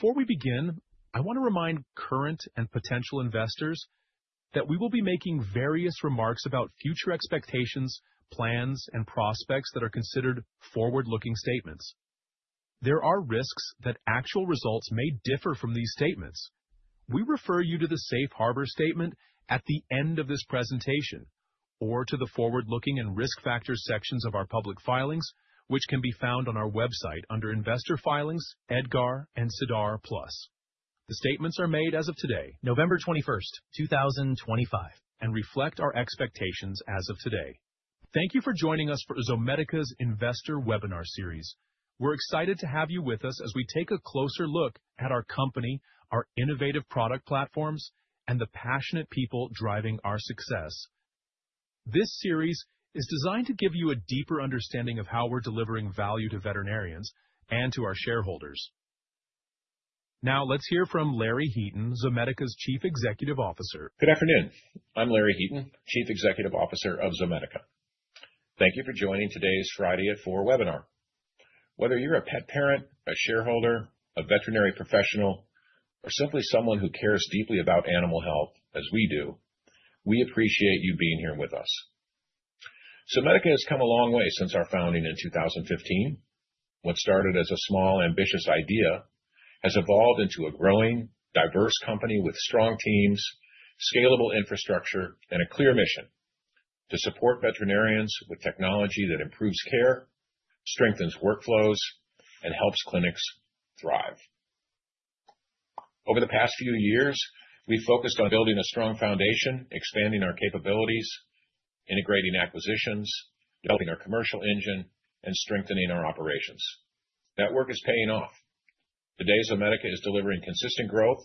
Before we begin, I want to remind current and potential investors that we will be making various remarks about future expectations, plans, and prospects that are considered forward-looking statements. There are risks that actual results may differ from these statements. We refer you to the Safe Harbor statement at the end of this presentation, or to the Forward-Looking and Risk Factors sections of our public filings, which can be found on our website under Investor Filings, EDGAR, and SEDAR+. The statements are made as of today, November 21, 2025, and reflect our expectations as of today. Thank you for joining us for Zomedica's Investor Webinar Series. We're excited to have you with us as we take a closer look at our company, our innovative product platforms, and the passionate people driving our success. This series is designed to give you a deeper understanding of how we're delivering value to veterinarians and to our shareholders. Now, let's hear from Larry Heaton, Zomedica's Chief Executive Officer. Good afternoon. I'm Larry Heaton, Chief Executive Officer of Zomedica. Thank you for joining today's Friday at 4:00 P.M. webinar. Whether you're a pet parent, a shareholder, a veterinary professional, or simply someone who cares deeply about animal health, as we do, we appreciate you being here with us. Zomedica has come a long way since our founding in 2015. What started as a small, ambitious idea has evolved into a growing, diverse company with strong teams, scalable infrastructure, and a clear mission: to support veterinarians with technology that improves care, strengthens workflows, and helps clinics thrive. Over the past few years, we've focused on building a strong foundation, expanding our capabilities, integrating acquisitions, developing our commercial engine, and strengthening our operations. That work is paying off. Today, Zomedica is delivering consistent growth,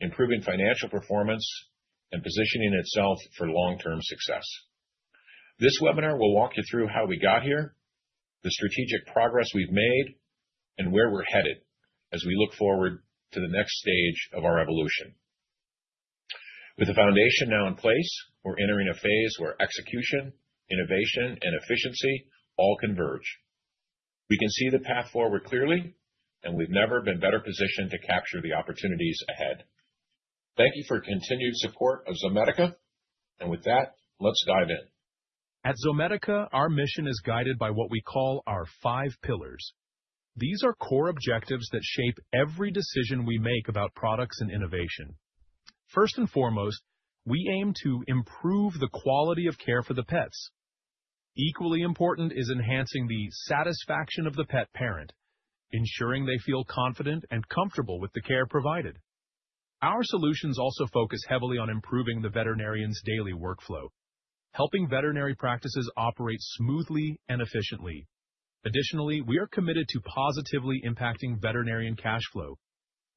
improving financial performance, and positioning itself for long-term success. This webinar will walk you through how we got here, the strategic progress we've made, and where we're headed as we look forward to the next stage of our evolution. With the foundation now in place, we're entering a phase where execution, innovation, and efficiency all converge. We can see the path forward clearly, and we've never been better positioned to capture the opportunities ahead. Thank you for continued support of Zomedica, and with that, let's dive in. At Zomedica, our mission is guided by what we call our Five Pillars. These are core objectives that shape every decision we make about products and innovation. First and foremost, we aim to improve the quality of care for the pets. Equally important is enhancing the satisfaction of the pet parent, ensuring they feel confident and comfortable with the care provided. Our solutions also focus heavily on improving the veterinarian's daily workflow, helping veterinary practices operate smoothly and efficiently. Additionally, we are committed to positively impacting veterinarian cash flow,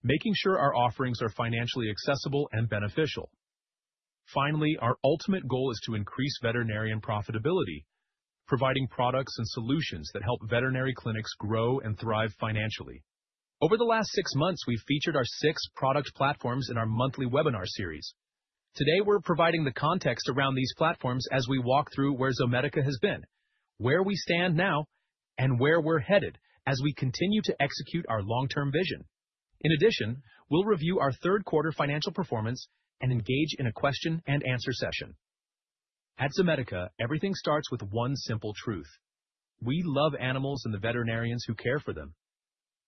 making sure our offerings are financially accessible and beneficial. Finally, our ultimate goal is to increase veterinarian profitability, providing products and solutions that help veterinary clinics grow and thrive financially. Over the last six months, we've featured our six product platforms in our monthly webinar series. Today, we're providing the context around these platforms as we walk through where Zomedica has been, where we stand now, and where we're headed as we continue to execute our long-term vision. In addition, we'll review our third-quarter financial performance and engage in a question-and-answer session. At Zomedica, everything starts with one simple truth: we love animals and the veterinarians who care for them.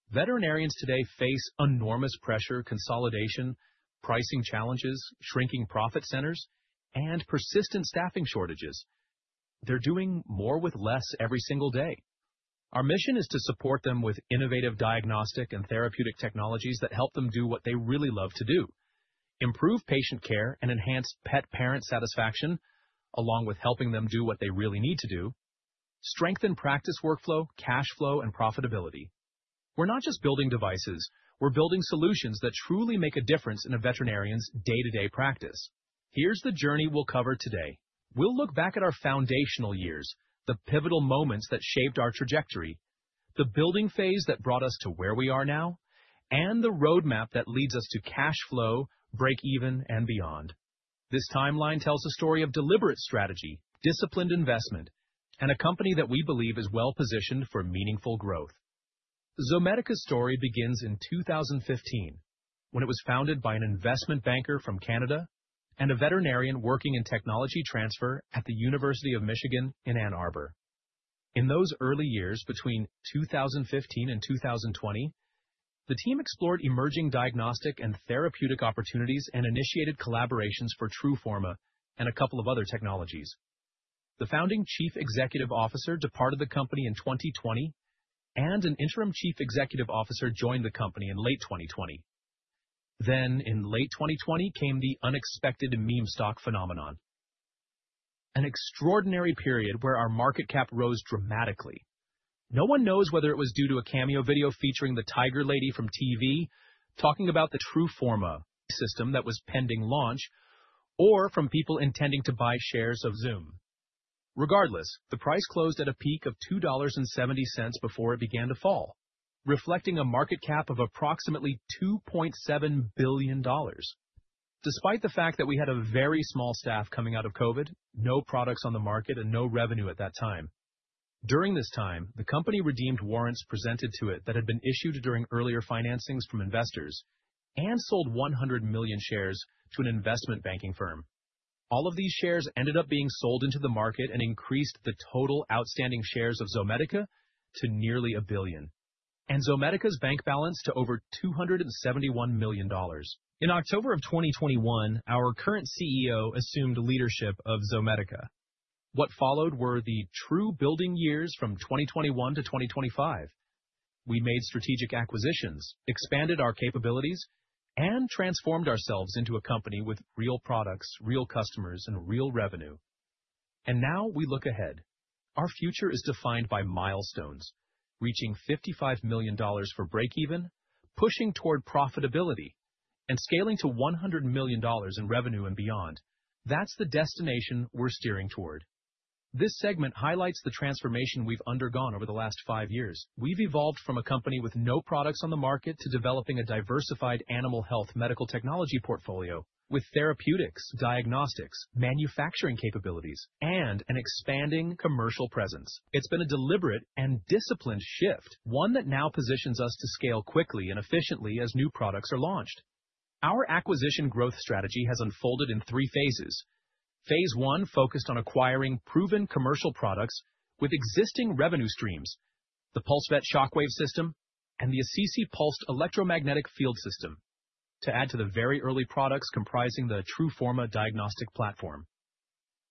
Veterinarians today face enormous pressure, consolidation, pricing challenges, shrinking profit centers, and persistent staffing shortages. They're doing more with less every single day. Our mission is to support them with innovative diagnostic and therapeutic technologies that help them do what they really love to do: improve patient care and enhance pet-parent satisfaction, along with helping them do what they really need to do: strengthen practice workflow, cash flow, and profitability. We're not just building devices; we're building solutions that truly make a difference in a veterinarian's day-to-day practice. Here's the journey we'll cover today. We'll look back at our foundational years, the pivotal moments that shaped our trajectory, the building phase that brought us to where we are now, and the roadmap that leads us to cash flow break-even and beyond. This timeline tells a story of deliberate strategy, disciplined investment, and a company that we believe is well-positioned for meaningful growth. Zomedica's story begins in 2015, when it was founded by an investment banker from Canada and a veterinarian working in technology transfer at the University of Michigan in Ann Arbor. In those early years, between 2015 and 2020, the team explored emerging diagnostic and therapeutic opportunities and initiated collaborations for TRUFORMA and a couple of other technologies. The founding Chief Executive Officer departed the company in 2020, and an interim Chief Executive Officer joined the company in late 2020. In late 2020, came the unexpected meme stock phenomenon, an extraordinary period where our market cap rose dramatically. No one knows whether it was due to a cameo video featuring the Tiger Lady from TV talking about the TRUFORMA system that was pending launch or from people intending to buy shares of Zoom. Regardless, the price closed at a peak of $2.70 before it began to fall, reflecting a market cap of approximately $2.7 billion. Despite the fact that we had a very small staff coming out of COVID, no products on the market, and no revenue at that time. During this time, the company redeemed warrants presented to it that had been issued during earlier financings from investors and sold 100 million shares to an investment banking firm. All of these shares ended up being sold into the market and increased the total outstanding shares of Zomedica to nearly a billion, and Zomedica's bank balance to over $271 million. In October of 2021, our current CEO assumed leadership of Zomedica. What followed were the true building years from 2021 to 2025. We made strategic acquisitions, expanded our capabilities, and transformed ourselves into a company with real products, real customers, and real revenue. Now we look ahead. Our future is defined by milestones: reaching $55 million for break-even, pushing toward profitability, and scaling to $100 million in revenue and beyond. That is the destination we are steering toward. This segment highlights the transformation we have undergone over the last five years. We've evolved from a company with no products on the market to developing a diversified animal health medical technology portfolio, with therapeutics, diagnostics, manufacturing capabilities, and an expanding commercial presence. It's been a deliberate and disciplined shift, one that now positions us to scale quickly and efficiently as new products are launched. Our acquisition growth strategy has unfolded in three phases. Phase I focused on acquiring proven commercial products with existing revenue streams: the PulseVet Shockwave System and the ACC Therapy System, to add to the very early products comprising the TRUFORMA Diagnostic Platform.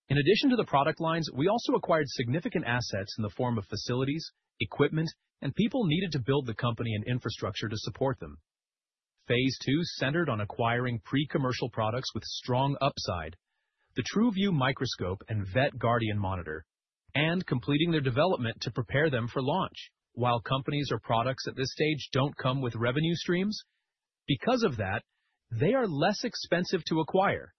In addition to the product lines, we also acquired significant assets in the form of facilities, equipment, and people needed to build the company and infrastructure to support them. Phase II centered on acquiring pre-commercial products with strong upside: the TRUVIEW Microscope and VETGuardian Monitor, and completing their development to prepare them for launch. While companies or products at this stage do not come with revenue streams, because of that, they are less expensive to acquire,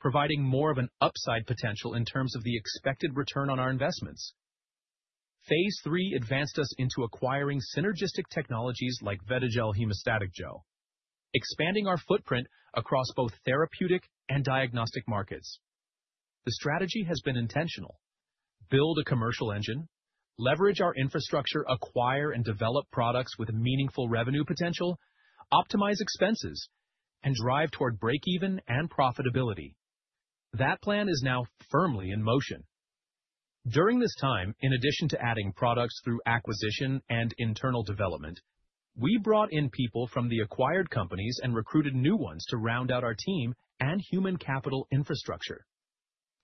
providing more of an upside potential in terms of the expected return on our investments. Phase III advanced us into acquiring synergistic technologies like VETIGEL Hemostatic Gel, expanding our footprint across both therapeutic and diagnostic markets. The strategy has been intentional: build a commercial engine, leverage our infrastructure, acquire and develop products with meaningful revenue potential, optimize expenses, and drive toward break-even and profitability. That plan is now firmly in motion. During this time, in addition to adding products through acquisition and internal development, we brought in people from the acquired companies and recruited new ones to round out our team and human capital infrastructure.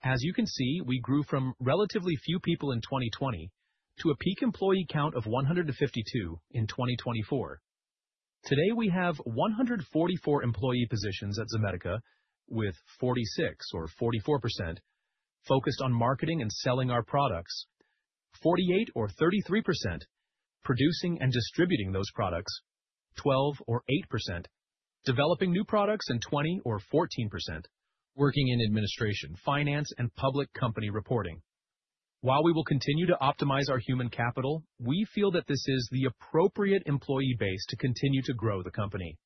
As you can see, we grew from relatively few people in 2020 to a peak employee count of 152 in 2024. Today, we have 144 employee positions at Zomedica, with 46 or 44% focused on marketing and selling our products, 48 or 33% producing and distributing those products, 12 or 8% developing new products, and 20 or 14% working in administration, finance, and public company reporting. While we will continue to optimize our human capital, we feel that this is the appropriate employee base to continue to grow the company.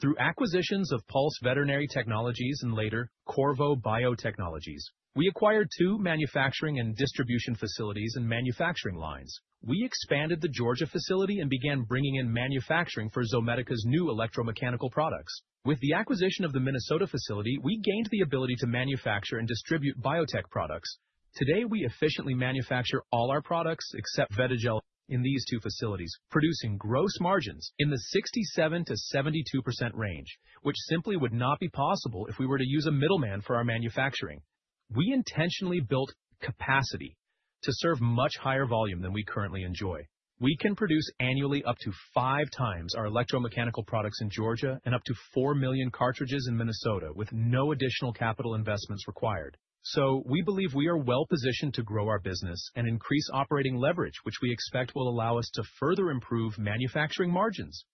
Through acquisitions of Pulse Veterinary Technologies and later Qorvo Biotechnologies, we acquired two manufacturing and distribution facilities and manufacturing lines. We expanded the Georgia facility and began bringing in manufacturing for Zomedica's new electromechanical products. With the acquisition of the Minnesota facility, we gained the ability to manufacture and distribute biotech products. Today, we efficiently manufacture all our products except VETIGEL in these two facilities, producing gross margins in the 67%-72% range, which simply would not be possible if we were to use a middleman for our manufacturing. We intentionally built capacity to serve much higher volume than we currently enjoy. We can produce annually up to five times our electromechanical products in Georgia and up to 4 million cartridges in Minnesota with no additional capital investments required. We believe we are well-positioned to grow our business and increase operating leverage, which we expect will allow us to further improve manufacturing margins,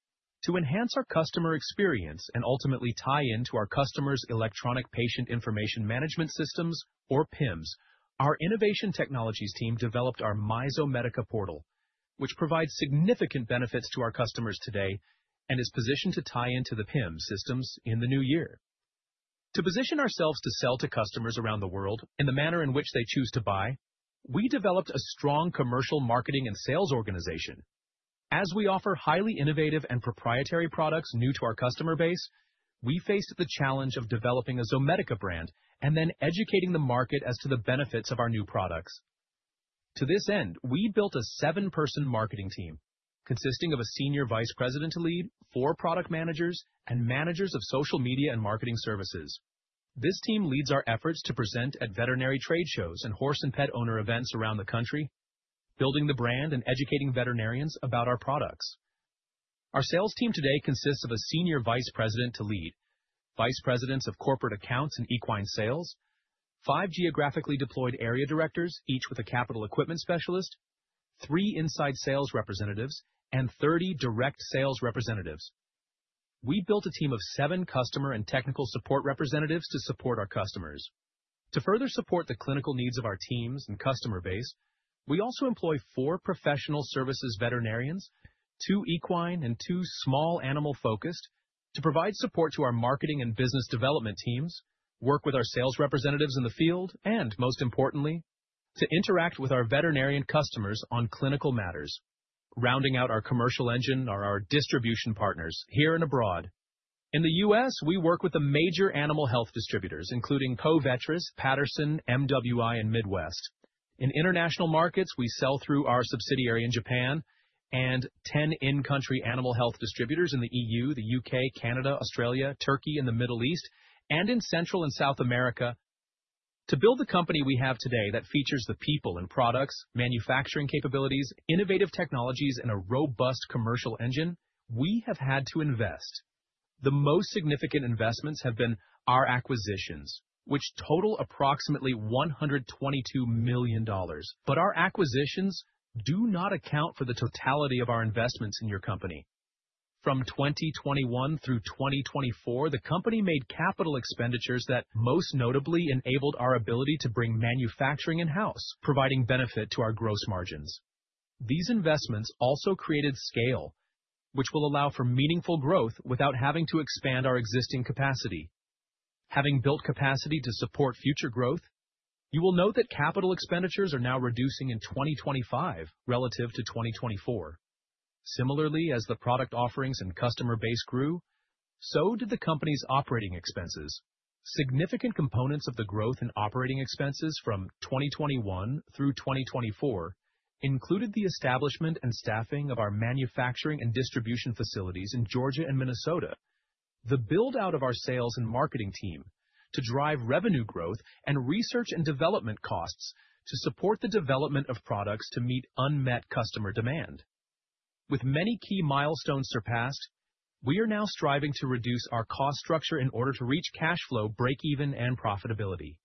to enhance our customer experience and ultimately tie into our customers' electronic patient information management systems, or PIMs. Our innovation technologies team developed our myZomedica portal, which provides significant benefits to our customers today and is positioned to tie into the PIM systems in the new year. To position ourselves to sell to customers around the world in the manner in which they choose to buy, we developed a strong commercial marketing and sales organization. As we offer highly innovative and proprietary products new to our customer base, we faced the challenge of developing a Zomedica brand and then educating the market as to the benefits of our new products. To this end, we built a seven-person marketing team consisting of a Senior Vice President to lead, four product managers, and managers of social media and marketing services. This team leads our efforts to present at veterinary trade shows and horse and pet owner events around the country, building the brand and educating veterinarians about our products. Our sales team today consists of a Senior Vice President to lead, Vice Presidents of Corporate Accounts and Equine Sales, five geographically deployed area directors, each with a capital equipment specialist, three inside sales representatives, and 30 direct sales representatives. We built a team of seven customer and technical support representatives to support our customers. To further support the clinical needs of our teams and customer base, we also employ four professional services veterinarians, two equine and two small animal focused, to provide support to our marketing and business development teams, work with our sales representatives in the field, and, most importantly, to interact with our veterinarian customers on clinical matters, rounding out our commercial engine or our distribution partners here and abroad. In the U.S., we work with the major animal health distributors, including Covetrus, Patterson, MWI, and Midwest. In international markets, we sell through our subsidiary in Japan and ten in-country animal health distributors in the EU, the U.K., Canada, Australia, Turkey, and the Middle East, and in Central and South America. To build the company we have today that features the people and products, manufacturing capabilities, innovative technologies, and a robust commercial engine, we have had to invest. The most significant investments have been our acquisitions, which total approximately $122 million. Our acquisitions do not account for the totality of our investments in your company. From 2021 through 2024, the company made capital expenditures that most notably enabled our ability to bring manufacturing in-house, providing benefit to our gross margins. These investments also created scale, which will allow for meaningful growth without having to expand our existing capacity. Having built capacity to support future growth, you will note that capital expenditures are now reducing in 2025 relative to 2024. Similarly, as the product offerings and customer base grew, so did the company's operating expenses. Significant components of the growth in operating expenses from 2021 through 2024 included the establishment and staffing of our manufacturing and distribution facilities in Georgia and Minnesota, the build-out of our sales and marketing team to drive revenue growth, and research and development costs to support the development of products to meet unmet customer demand. With many key milestones surpassed, we are now striving to reduce our cost structure in order to reach cash flow break-even and profitability.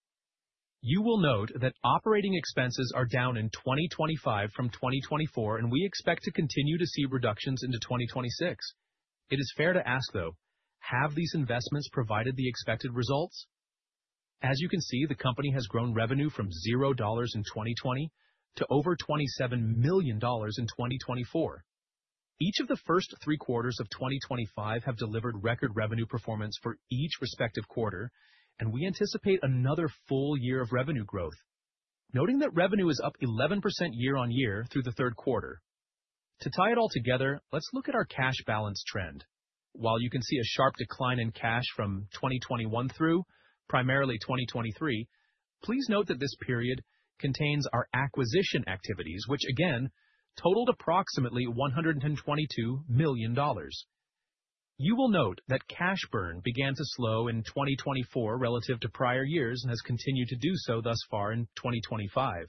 You will note that operating expenses are down in 2025 from 2024, and we expect to continue to see reductions into 2026. It is fair to ask, though: have these investments provided the expected results? As you can see, the company has grown revenue from $0 in 2020 to over $27 million in 2024. Each of the first three quarters of 2025 have delivered record revenue performance for each respective quarter, and we anticipate another full year of revenue growth, noting that revenue is up 11% year on year through the third quarter. To tie it all together, let's look at our cash balance trend. While you can see a sharp decline in cash from 2021 through primarily 2023, please note that this period contains our acquisition activities, which again totaled approximately $122 million. You will note that cash burn began to slow in 2024 relative to prior years and has continued to do so thus far in 2025.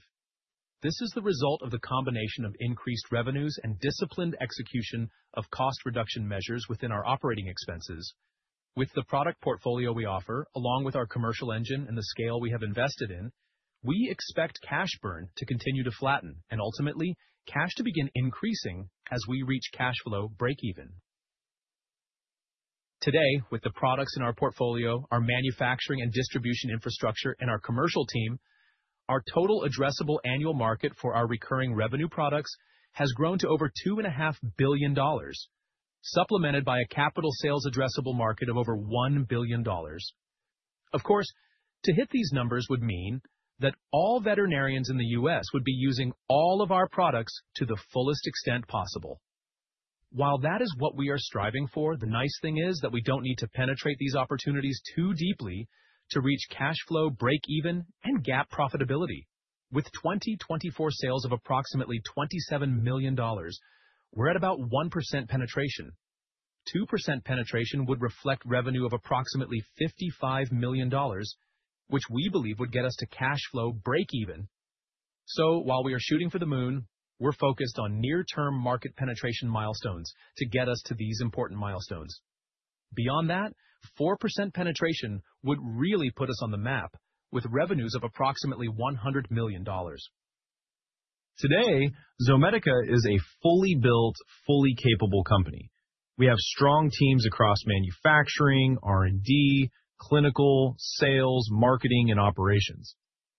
This is the result of the combination of increased revenues and disciplined execution of cost reduction measures within our operating expenses. With the product portfolio we offer, along with our commercial engine and the scale we have invested in, we expect cash burn to continue to flatten and ultimately cash to begin increasing as we reach cash flow break-even. Today, with the products in our portfolio, our manufacturing and distribution infrastructure, and our commercial team, our total addressable annual market for our recurring revenue products has grown to over $2.5 billion, supplemented by a capital sales addressable market of over $1 billion. Of course, to hit these numbers would mean that all veterinarians in the U.S. would be using all of our products to the fullest extent possible. While that is what we are striving for, the nice thing is that we don't need to penetrate these opportunities too deeply to reach cash flow break-even and GAAP profitability. With 2024 sales of approximately $27 million, we're at about 1% penetration. 2% penetration would reflect revenue of approximately $55 million, which we believe would get us to cash flow break-even. While we are shooting for the moon, we're focused on near-term market penetration milestones to get us to these important milestones. Beyond that, 4% penetration would really put us on the map with revenues of approximately $100 million. Today, Zomedica is a fully built, fully capable company. We have strong teams across manufacturing, R&D, clinical, sales, marketing, and operations.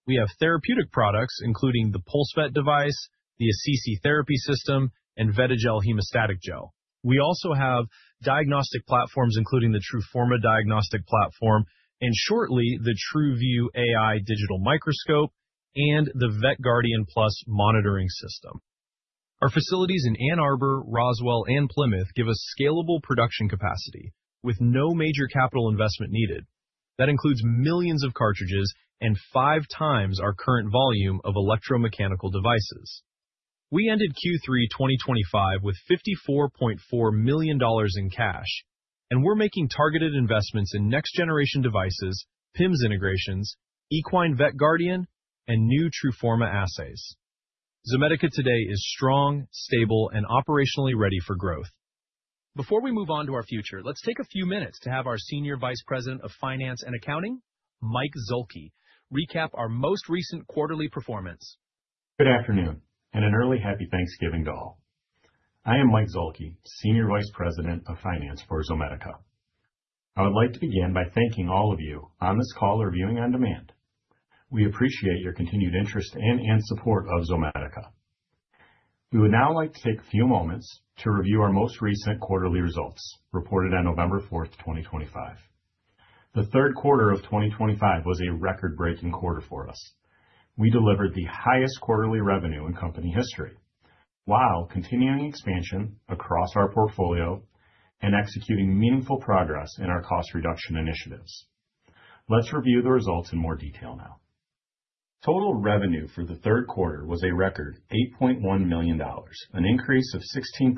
We have therapeutic products, including the PulseVet device, the ACC Therapy System, and VETIGEL Hemostatic Gel. We also have diagnostic platforms, including the TRUFORMA Diagnostic Platform and shortly the TRUVIEW AI Digital Microscope and the VETGuardian PLUS monitoring system. Our facilities in Ann Arbor, Roswell, and Plymouth give us scalable production capacity with no major capital investment needed. That includes millions of cartridges and five times our current volume of electromechanical devices. We ended Q3 2025 with $54.4 million in cash, and we're making targeted investments in next-generation devices, PIMS integrations, equine VETGuardian, and new TRUFORMA assays. Zomedica today is strong, stable, and operationally ready for growth. Before we move on to our future, let's take a few minutes to have our Senior Vice President of Finance and Accounting, Mike Zuehlke, recap our most recent quarterly performance. Good afternoon and an early happy Thanksgiving to all. I am Mike Zuehlke, Senior Vice President of Finance for Zomedica. I would like to begin by thanking all of you on this call or viewing on demand. We appreciate your continued interest and support of Zomedica. We would now like to take a few moments to review our most recent quarterly results reported on November 4, 2025. The third quarter of 2025 was a record-breaking quarter for us. We delivered the highest quarterly revenue in company history while continuing expansion across our portfolio and executing meaningful progress in our cost reduction initiatives. Let's review the results in more detail now. Total revenue for the third quarter was a record $8.1 million, an increase of 16%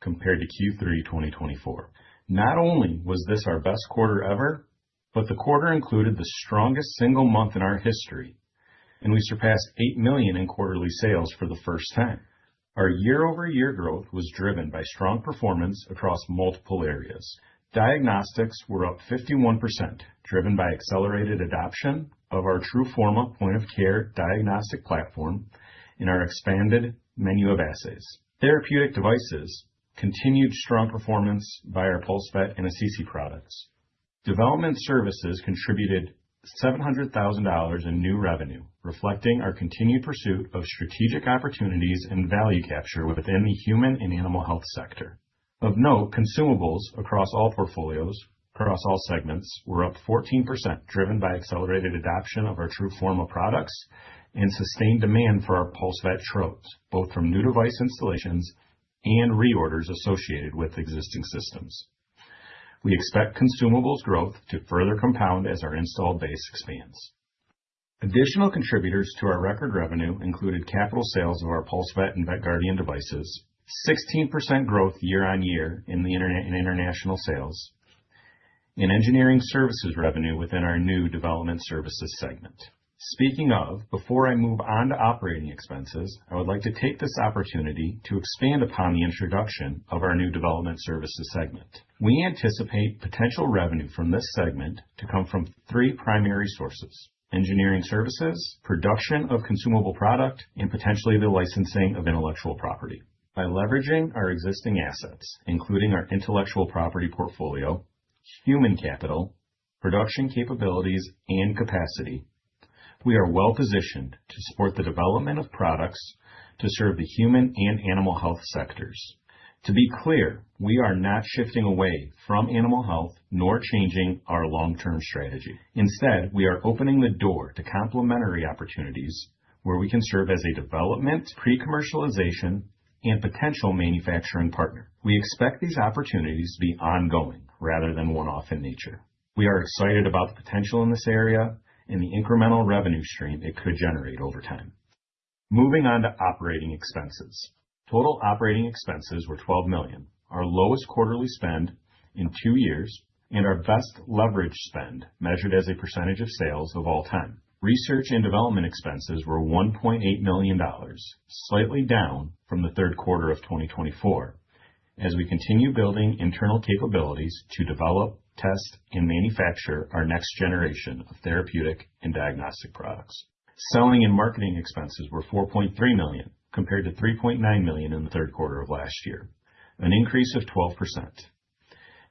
compared to Q3 2024. Not only was this our best quarter ever, but the quarter included the strongest single month in our history, and we surpassed $8 million in quarterly sales for the first time. Our year-over-year growth was driven by strong performance across multiple areas. Diagnostics were up 51%, driven by accelerated adoption of our TRUFORMA point of care diagnostic platform and our expanded menu of assays. Therapeutic devices continued strong performance by our PulseVet and ACC products. Development services contributed $700,000 in new revenue, reflecting our continued pursuit of strategic opportunities and value capture within the human and animal health sector. Of note, consumables across all portfolios, across all segments, were up 14%, driven by accelerated adoption of our TRUFORMA products and sustained demand for our PulseVet trodes, both from new device installations and reorders associated with existing systems. We expect consumables growth to further compound as our installed base expands. Additional contributors to our record revenue included capital sales of our PulseVet and VETGuardian devices, 16% growth year-on-year in the internet and international sales, and engineering services revenue within our new development services segment. Speaking of, before I move on to operating expenses, I would like to take this opportunity to expand upon the introduction of our new development services segment. We anticipate potential revenue from this segment to come from three primary sources: engineering services, production of consumable product, and potentially the licensing of intellectual property. By leveraging our existing assets, including our intellectual property portfolio, human capital, production capabilities, and capacity, we are well-positioned to support the development of products to serve the human and animal health sectors. To be clear, we are not shifting away from animal health nor changing our long-term strategy. Instead, we are opening the door to complementary opportunities where we can serve as a development, pre-commercialization, and potential manufacturing partner. We expect these opportunities to be ongoing rather than one-off in nature. We are excited about the potential in this area and the incremental revenue stream it could generate over time. Moving on to operating expenses. Total operating expenses were $12 million, our lowest quarterly spend in two years, and our best leveraged spend measured as a percentage of sales of all time. Research and development expenses were $1.8 million, slightly down from the third quarter of 2024, as we continue building internal capabilities to develop, test, and manufacture our next generation of therapeutic and diagnostic products. Selling and marketing expenses were $4.3 million compared to $3.9 million in the third quarter of last year, an increase of 12%.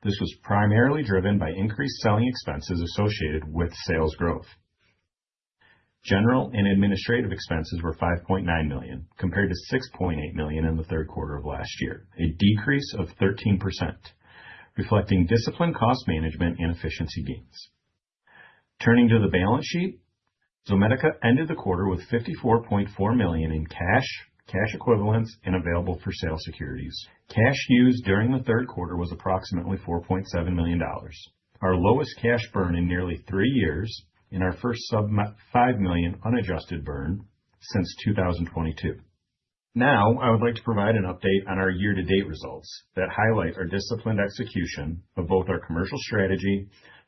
This was primarily driven by increased selling expenses associated with sales growth. General and administrative expenses were $5.9 million compared to $6.8 million in the third quarter of last year, a decrease of 13%, reflecting disciplined cost management and efficiency gains. Turning to the balance sheet, Zomedica ended the quarter with $54.4 million in cash, cash equivalents, and available for sale securities. Cash used during the third quarter was approximately $4.7 million, our lowest cash burn in nearly three years, and our first sub-$5 million unadjusted burn since 2022. Now, I would like to provide an update on our year-to-date results that highlight our disciplined execution of both our commercial strategy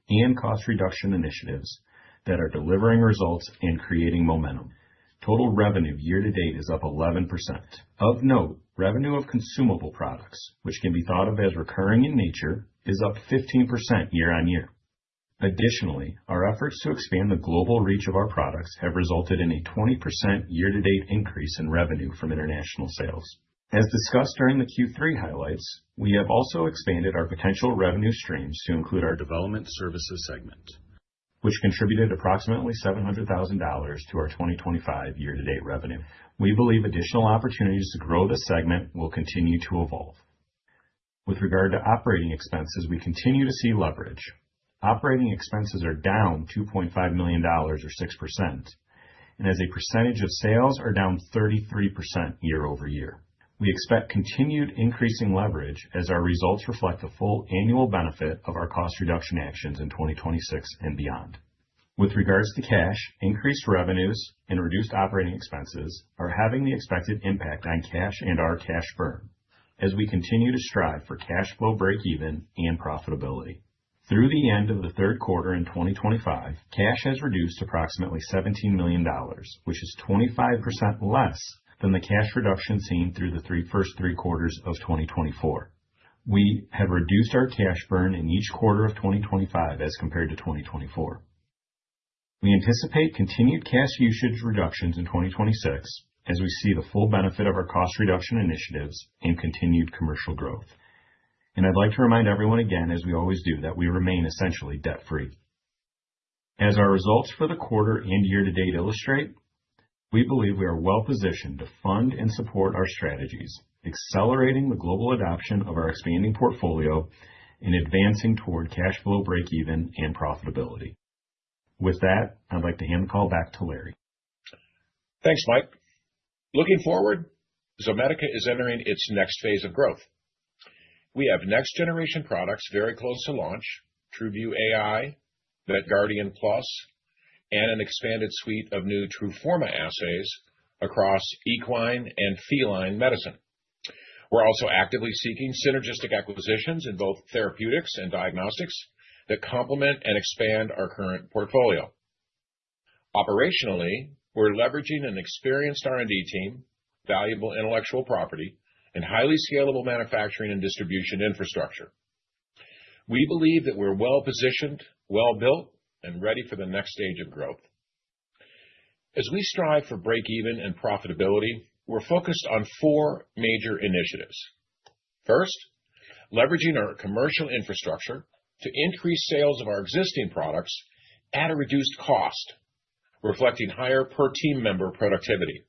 and cost reduction initiatives that are delivering results and creating momentum. Total revenue year-to-date is up 11%. Of note, revenue of consumable products, which can be thought of as recurring in nature, is up 15% year-on-year. Additionally, our efforts to expand the global reach of our products have resulted in a 20% year-to-date increase in revenue from international sales. As discussed during the Q3 highlights, we have also expanded our potential revenue streams to include our development services segment, which contributed approximately $700,000 to our 2025 year-to-date revenue. We believe additional opportunities to grow the segment will continue to evolve. With regard to operating expenses, we continue to see leverage. Operating expenses are down $2.5 million or 6%, and as a percentage of sales are down 33% year-over-year. We expect continued increasing leverage as our results reflect the full annual benefit of our cost reduction actions in 2026 and beyond. With regards to cash, increased revenues and reduced operating expenses are having the expected impact on cash and our cash burn as we continue to strive for cash flow break-even and profitability. Through the end of the third quarter in 2025, cash has reduced approximately $17 million, which is 25% less than the cash reduction seen through the first three quarters of 2024. We have reduced our cash burn in each quarter of 2025 as compared to 2024. We anticipate continued cash usage reductions in 2026 as we see the full benefit of our cost reduction initiatives and continued commercial growth. I would like to remind everyone again, as we always do, that we remain essentially debt-free. As our results for the quarter and year-to-date illustrate, we believe we are well-positioned to fund and support our strategies, accelerating the global adoption of our expanding portfolio and advancing toward cash flow break-even and profitability. With that, I would like to hand the call back to Larry. Thanks, Mike. Looking forward, Zomedica is entering its next phase of growth. We have next-generation products very close to launch: TRUVIEW AI, VETGuardian PLUS, and an expanded suite of new TRUFORMA assays across equine and feline medicine. We are also actively seeking synergistic acquisitions in both therapeutics and diagnostics that complement and expand our current portfolio. Operationally, we're leveraging an experienced R&D team, valuable intellectual property, and highly scalable manufacturing and distribution infrastructure. We believe that we're well-positioned, well-built, and ready for the next stage of growth. As we strive for break-even and profitability, we're focused on four major initiatives. First, leveraging our commercial infrastructure to increase sales of our existing products at a reduced cost, reflecting higher per team member productivity.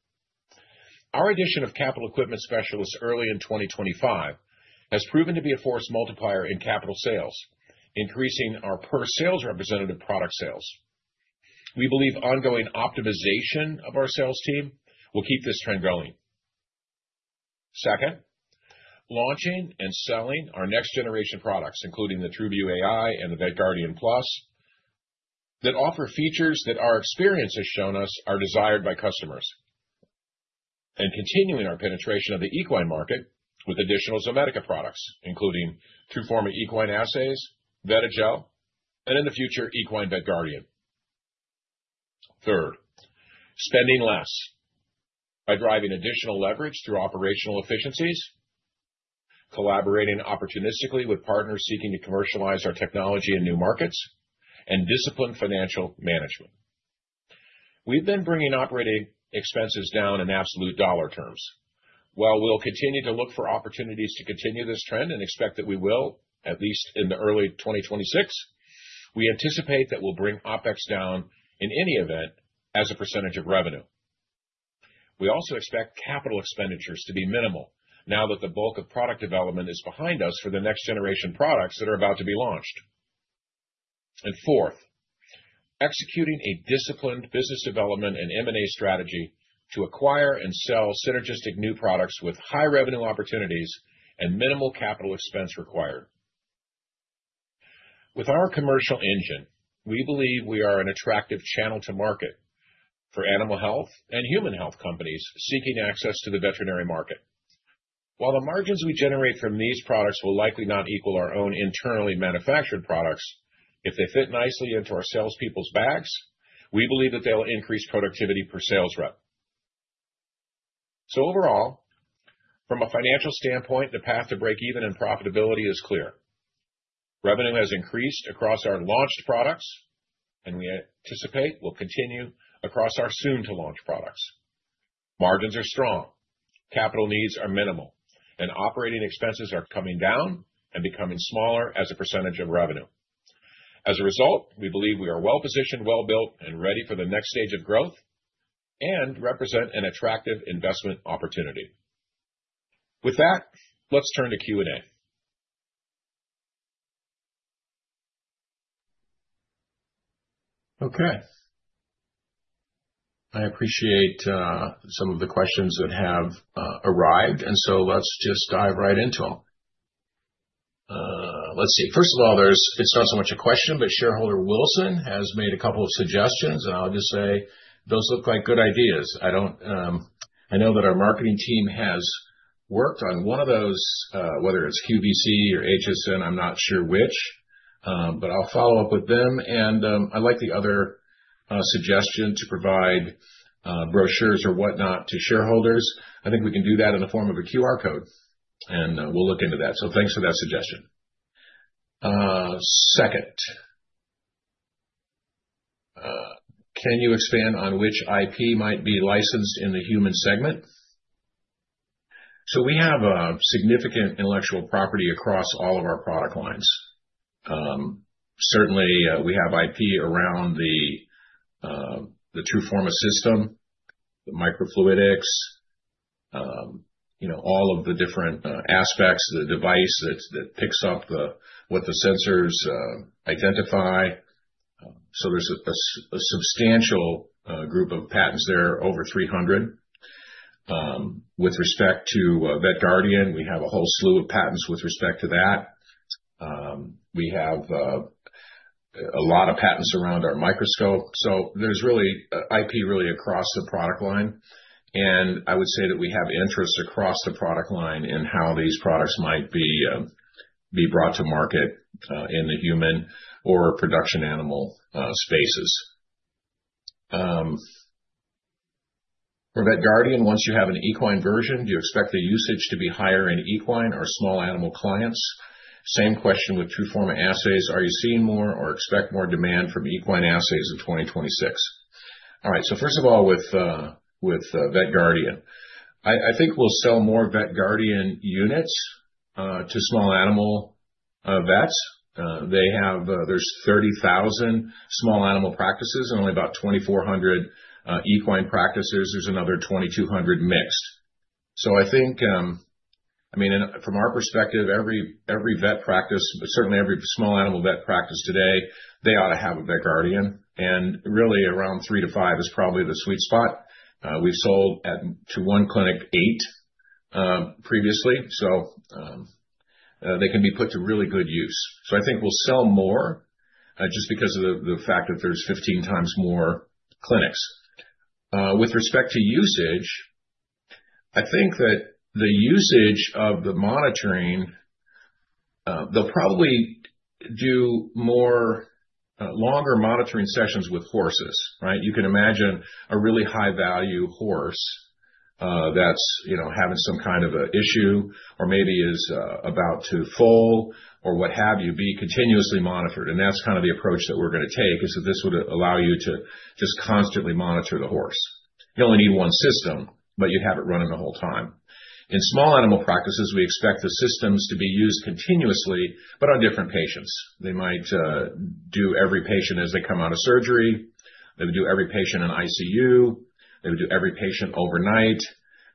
Our addition of capital equipment specialists early in 2025 has proven to be a force multiplier in capital sales, increasing our per sales representative product sales. We believe ongoing optimization of our sales team will keep this trend going. Second, launching and selling our next-generation products, including the TRUVIEW AI and the VETGuardian PLUS, that offer features that our experience has shown us are desired by customers, and continuing our penetration of the equine market with additional Zomedica products, including TRUFORMA equine assays, VETIGEL, and in the future, equine VETGuardian. Third, spending less by driving additional leverage through operational efficiencies, collaborating opportunistically with partners seeking to commercialize our technology in new markets, and disciplined financial management. We've been bringing operating expenses down in absolute dollar terms. While we'll continue to look for opportunities to continue this trend and expect that we will, at least in the early 2026, we anticipate that we'll bring OpEx down in any event as a percentage of revenue. We also expect capital expenditures to be minimal now that the bulk of product development is behind us for the next-generation products that are about to be launched. Fourth, executing a disciplined business development and M&A strategy to acquire and sell synergistic new products with high revenue opportunities and minimal capital expense required. With our commercial engine, we believe we are an attractive channel to market for animal health and human health companies seeking access to the veterinary market. While the margins we generate from these products will likely not equal our own internally manufactured products, if they fit nicely into our salespeople's bags, we believe that they'll increase productivity per sales rep. Overall, from a financial standpoint, the path to break-even and profitability is clear. Revenue has increased across our launched products, and we anticipate we'll continue across our soon-to-launch products. Margins are strong, capital needs are minimal, and operating expenses are coming down and becoming smaller as a percentage of revenue. As a result, we believe we are well-positioned, well-built, and ready for the next stage of growth and represent an attractive investment opportunity. With that, let's turn to Q&A. Okay. I appreciate some of the questions that have arrived, and so let's just dive right into them. Let's see. First of all, it's not so much a question, but shareholder Wilson has made a couple of suggestions, and I'll just say those look like good ideas. I know that our marketing team has worked on one of those, whether it's QVC or HSN, I'm not sure which, but I'll follow up with them. I like the other suggestion to provide brochures or whatnot to shareholders. I think we can do that in the form of a QR code, and we'll look into that. Thanks for that suggestion. Second, can you expand on which IP might be licensed in the human segment? We have significant intellectual property across all of our product lines. Certainly, we have IP around the TRUFORMA system, the microfluidics, all of the different aspects, the device that picks up what the sensors identify. There is a substantial group of patents there, over 300. With respect to VETGuardian, we have a whole slew of patents with respect to that. We have a lot of patents around our microscope. There is really IP across the product line. I would say that we have interests across the product line in how these products might be brought to market in the human or production animal spaces. For VETGuardian, once you have an equine version, do you expect the usage to be higher in equine or small animal clients? Same question with TRUFORMA assays. Are you seeing more or expect more demand from equine assays in 2026? All right. First of all, with VETGuardian, I think we'll sell more VETGuardian units to small animal vets. There's 30,000 small animal practices and only about 2,400 equine practices. There's another 2,200 mixed. I think, I mean, from our perspective, every vet practice, but certainly every small animal vet practice today, they ought to have a VETGuardian. Really, around three to five is probably the sweet spot. We've sold to one clinic eight previously, so they can be put to really good use. I think we'll sell more just because of the fact that there's 15 times more clinics. With respect to usage, I think that the usage of the monitoring, they'll probably do longer monitoring sessions with horses, right? You can imagine a really high-value horse that's having some kind of an issue or maybe is about to fall or what have you be continuously monitored. That is kind of the approach that we're going to take is that this would allow you to just constantly monitor the horse. You only need one system, but you'd have it running the whole time. In small animal practices, we expect the systems to be used continuously, but on different patients. They might do every patient as they come out of surgery. They would do every patient in ICU. They would do every patient overnight,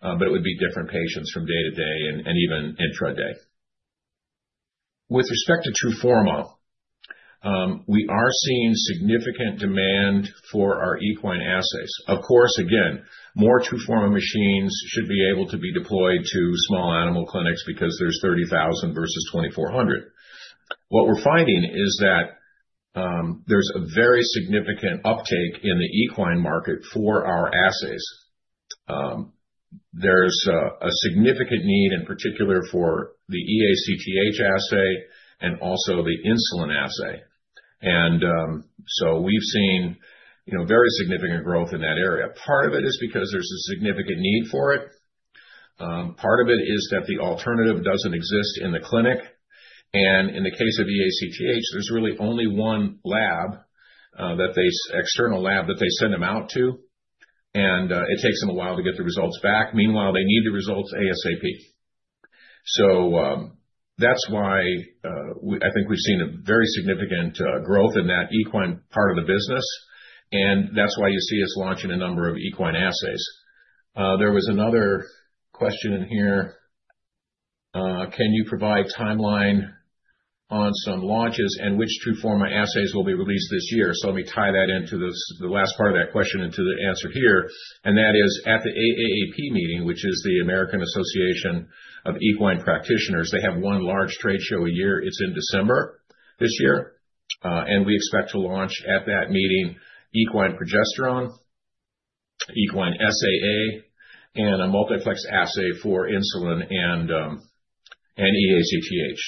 but it would be different patients from day to day and even intra-day. With respect to TRUFORMA, we are seeing significant demand for our equine assays. Of course, again, more TRUFORMA machines should be able to be deployed to small animal clinics because there's 30,000 versus 2,400. What we're finding is that there's a very significant uptake in the equine market for our assays. There's a significant need, in particular, for the ACTH assay and also the insulin assay. We've seen very significant growth in that area. Part of it is because there's a significant need for it. Part of it is that the alternative doesn't exist in the clinic. In the case of ACTH, there's really only one lab, that external lab that they send them out to, and it takes them a while to get the results back. Meanwhile, they need the results ASAP. That's why I think we've seen a very significant growth in that equine part of the business, and that's why you see us launching a number of equine assays. There was another question in here. Can you provide timeline on some launches and which TRUFORMA assays will be released this year? Let me tie that into the last part of that question into the answer here. That is, at the AAEP meeting, which is the American Association of Equine Practitioners. They have one large trade show a year. It's in December this year. We expect to launch at that meeting equine progesterone, equine SAA, and a multiplex assay for insulin and ACTH.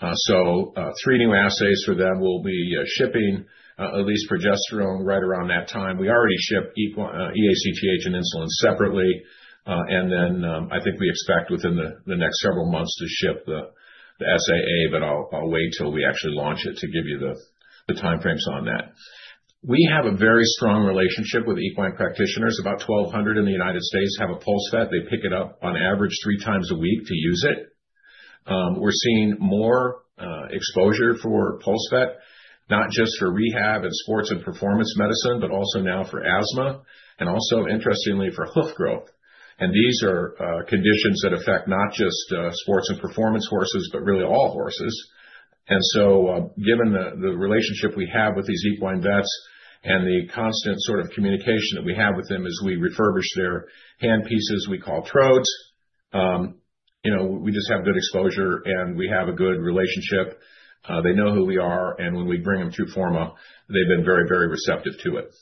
Three new assays for them will be shipping, at least progesterone right around that time. We already ship ACTH and insulin separately. I think we expect within the next several months to ship the SAA, but I'll wait till we actually launch it to give you the timeframes on that. We have a very strong relationship with equine practitioners. About 1,200 in the United States have a PulseVet. They pick it up on average three times a week to use it. We're seeing more exposure for PulseVet, not just for rehab and sports and performance medicine, but also now for asthma and also, interestingly, for hoof growth. These are conditions that affect not just sports and performance horses, but really all horses. Given the relationship we have with these equine vets and the constant sort of communication that we have with them as we refurbish their handpieces we call trodes, we just have good exposure and we have a good relationship. They know who we are. When we bring them TRUFORMA, they've been very, very receptive to it.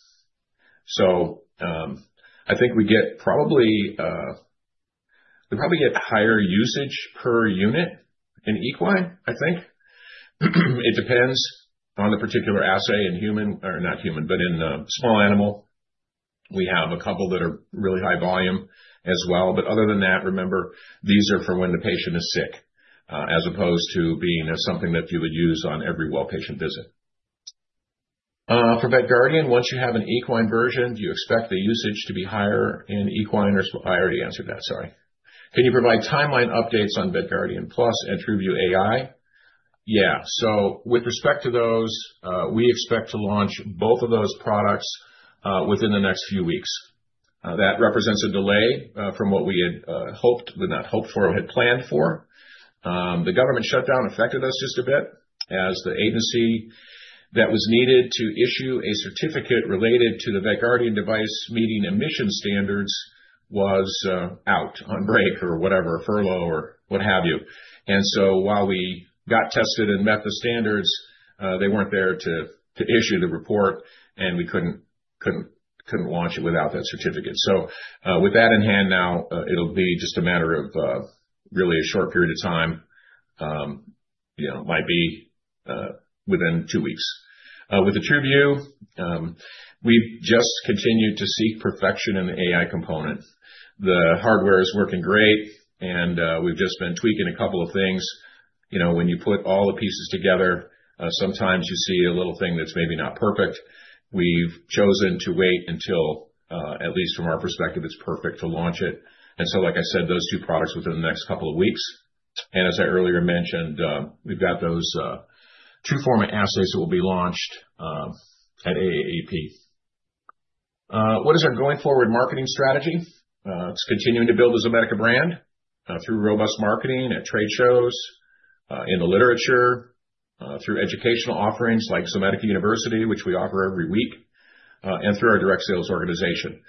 I think we probably get higher usage per unit in equine, I think. It depends on the particular assay in human or not human, but in small animal. We have a couple that are really high volume as well. Other than that, remember, these are for when the patient is sick as opposed to being something that you would use on every well-patient visit. For VETGuardian, once you have an equine version, do you expect the usage to be higher in equine or I already answered that. Sorry. Can you provide timeline updates on VETGuardian PLUS and TRUVIEW AI? Yeah. With respect to those, we expect to launch both of those products within the next few weeks. That represents a delay from what we had hoped, not hoped for, had planned for. The government shutdown affected us just a bit as the agency that was needed to issue a certificate related to the VETGuardian device meeting emission standards was out on break or whatever, furlough or what have you. While we got tested and met the standards, they were not there to issue the report, and we could not launch it without that certificate. With that in hand now, it will be just a matter of really a short period of time. It might be within two weeks. With the TRUVIEW, we have just continued to seek perfection in the AI component. The hardware is working great, and we have just been tweaking a couple of things. When you put all the pieces together, sometimes you see a little thing that is maybe not perfect. We've chosen to wait until, at least from our perspective, it's perfect to launch it. Like I said, those two products within the next couple of weeks. As I earlier mentioned, we've got those TRUFORMA assays that will be launched at AAAP. What is our going forward marketing strategy? It's continuing to build the Zomedica brand through robust marketing at trade shows, in the literature, through educational offerings like Zomedica University, which we offer every week, and through our direct sales organization.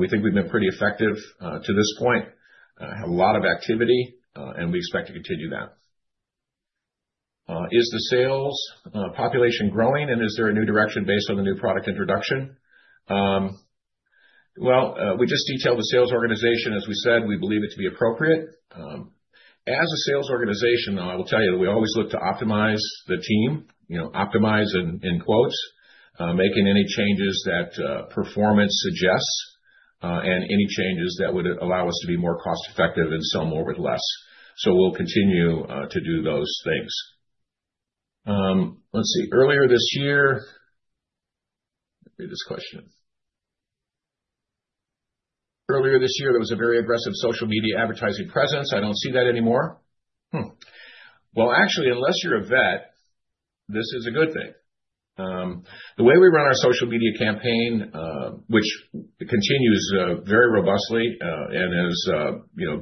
We think we've been pretty effective to this point, have a lot of activity, and we expect to continue that. Is the sales population growing, and is there a new direction based on the new product introduction? We just detailed the sales organization. As we said, we believe it to be appropriate. As a sales organization, I will tell you that we always look to optimize the team, optimize in quotes, making any changes that performance suggests and any changes that would allow us to be more cost-effective and sell more with less. We will continue to do those things. Let's see. Earlier this year, read this question. Earlier this year, there was a very aggressive social media advertising presence. I don't see that anymore. Actually, unless you're a vet, this is a good thing. The way we run our social media campaign, which continues very robustly and is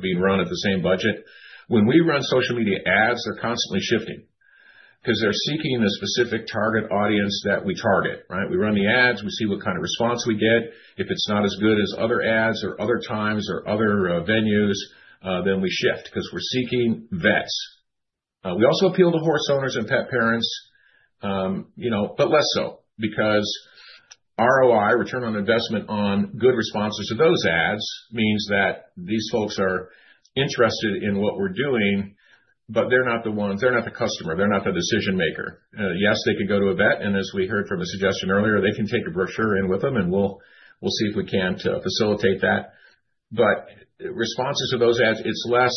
being run at the same budget, when we run social media ads, they're constantly shifting because they're seeking a specific target audience that we target, right? We run the ads. We see what kind of response we get. If it's not as good as other ads or other times or other venues, then we shift because we're seeking vets. We also appeal to horse owners and pet parents, but less so because ROI, return on investment on good responses to those ads, means that these folks are interested in what we're doing, but they're not the ones, they're not the customer. They're not the decision maker. Yes, they could go to a vet, and as we heard from a suggestion earlier, they can take a brochure in with them, and we'll see if we can facilitate that. Responses to those ads, it's less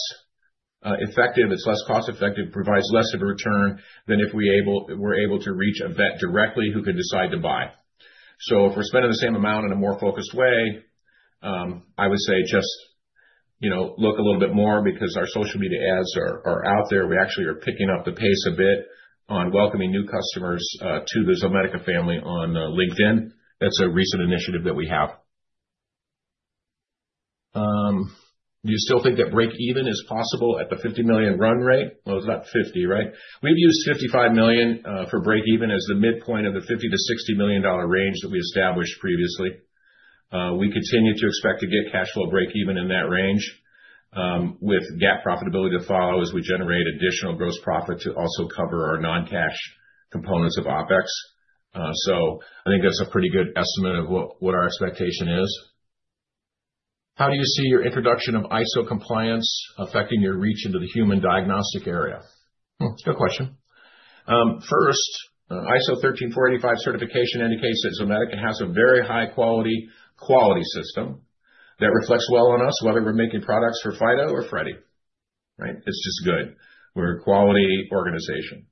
effective. It's less cost-effective. It provides less of a return than if we're able to reach a vet directly who can decide to buy. If we're spending the same amount in a more focused way, I would say just look a little bit more because our social media ads are out there. We actually are picking up the pace a bit on welcoming new customers to the Zomedica family on LinkedIn. That's a recent initiative that we have. Do you still think that break-even is possible at the $50 million run rate? It's not $50 million, right? We've used $55 million for break-even as the midpoint of the $50 million-$60 million range that we established previously. We continue to expect to get cash flow break-even in that range with GAAP profitability to follow as we generate additional gross profit to also cover our non-cash components of OpEx. I think that's a pretty good estimate of what our expectation is. How do you see your introduction of ISO compliance affecting your reach into the human diagnostic area? It's a good question. First, ISO 13485 certification indicates that Zomedica has a very high-quality quality system that reflects well on us, whether we're making products for Fido or Freddy, right? It's just good. We're a quality organization.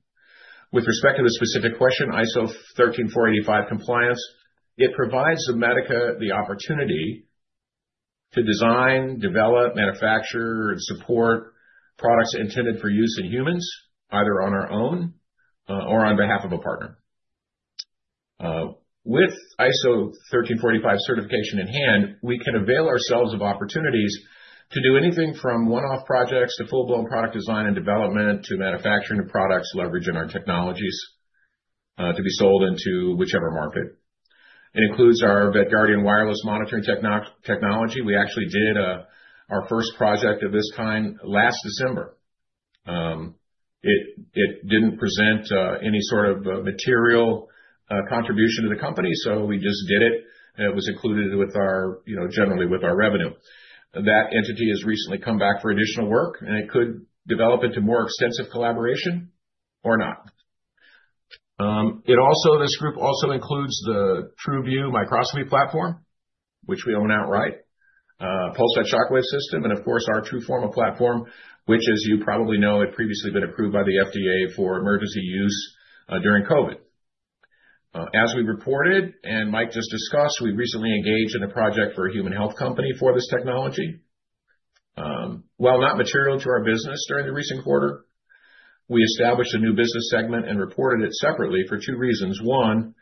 With respect to the specific question, ISO 13485 compliance, it provides Zomedica the opportunity to design, develop, manufacture, and support products intended for use in humans, either on our own or on behalf of a partner. With ISO 13485 certification in hand, we can avail ourselves of opportunities to do anything from one-off projects to full-blown product design and development to manufacturing of products, leveraging our technologies to be sold into whichever market. It includes our VETGuardian wireless monitoring technology. We actually did our first project of this kind last December. It didn't present any sort of material contribution to the company, so we just did it. It was included with our, generally, with our revenue. That entity has recently come back for additional work, and it could develop into more extensive collaboration or not. This group also includes the TRUVIEW microscopy platform, which we own outright, PulseVet ShockWave System, and of course, our TRUFORMA platform, which, as you probably know, had previously been approved by the FDA for emergency use during COVID. As we reported and Mike just discussed, we recently engaged in a project for a human health company for this technology. While not material to our business during the recent quarter, we established a new business segment and reported it separately for two reasons. One,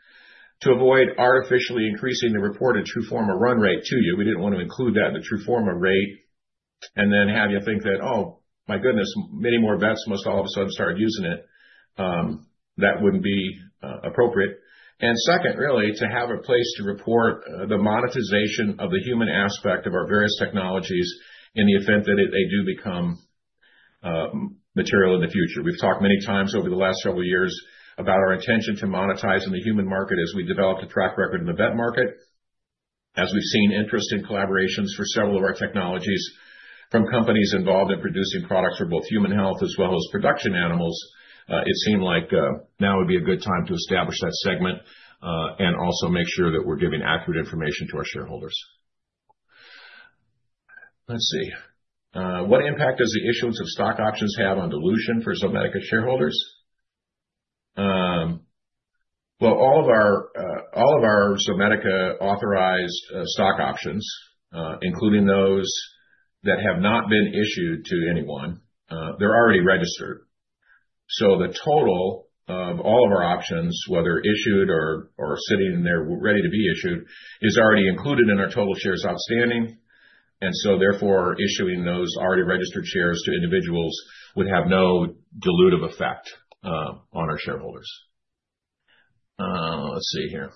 to avoid artificially increasing the reported TRUFORMA run rate to you. We did not want to include that in the TRUFORMA rate and then have you think that, "Oh, my goodness, many more vets must all of a sudden start using it." That would not be appropriate. Second, really, to have a place to report the monetization of the human aspect of our various technologies in the event that they do become material in the future. We have talked many times over the last several years about our intention to monetize in the human market as we developed a track record in the vet market. As we have seen interest in collaborations for several of our technologies from companies involved in producing products for both human health as well as production animals, it seemed like now would be a good time to establish that segment and also make sure that we are giving accurate information to our shareholders. Let's see. What impact does the issuance of stock options have on dilution for Zomedica shareholders? All of our Zomedica authorized stock options, including those that have not been issued to anyone, are already registered. The total of all of our options, whether issued or sitting in there ready to be issued, is already included in our total shares outstanding. Therefore, issuing those already registered shares to individuals would have no dilutive effect on our shareholders. Let's see here.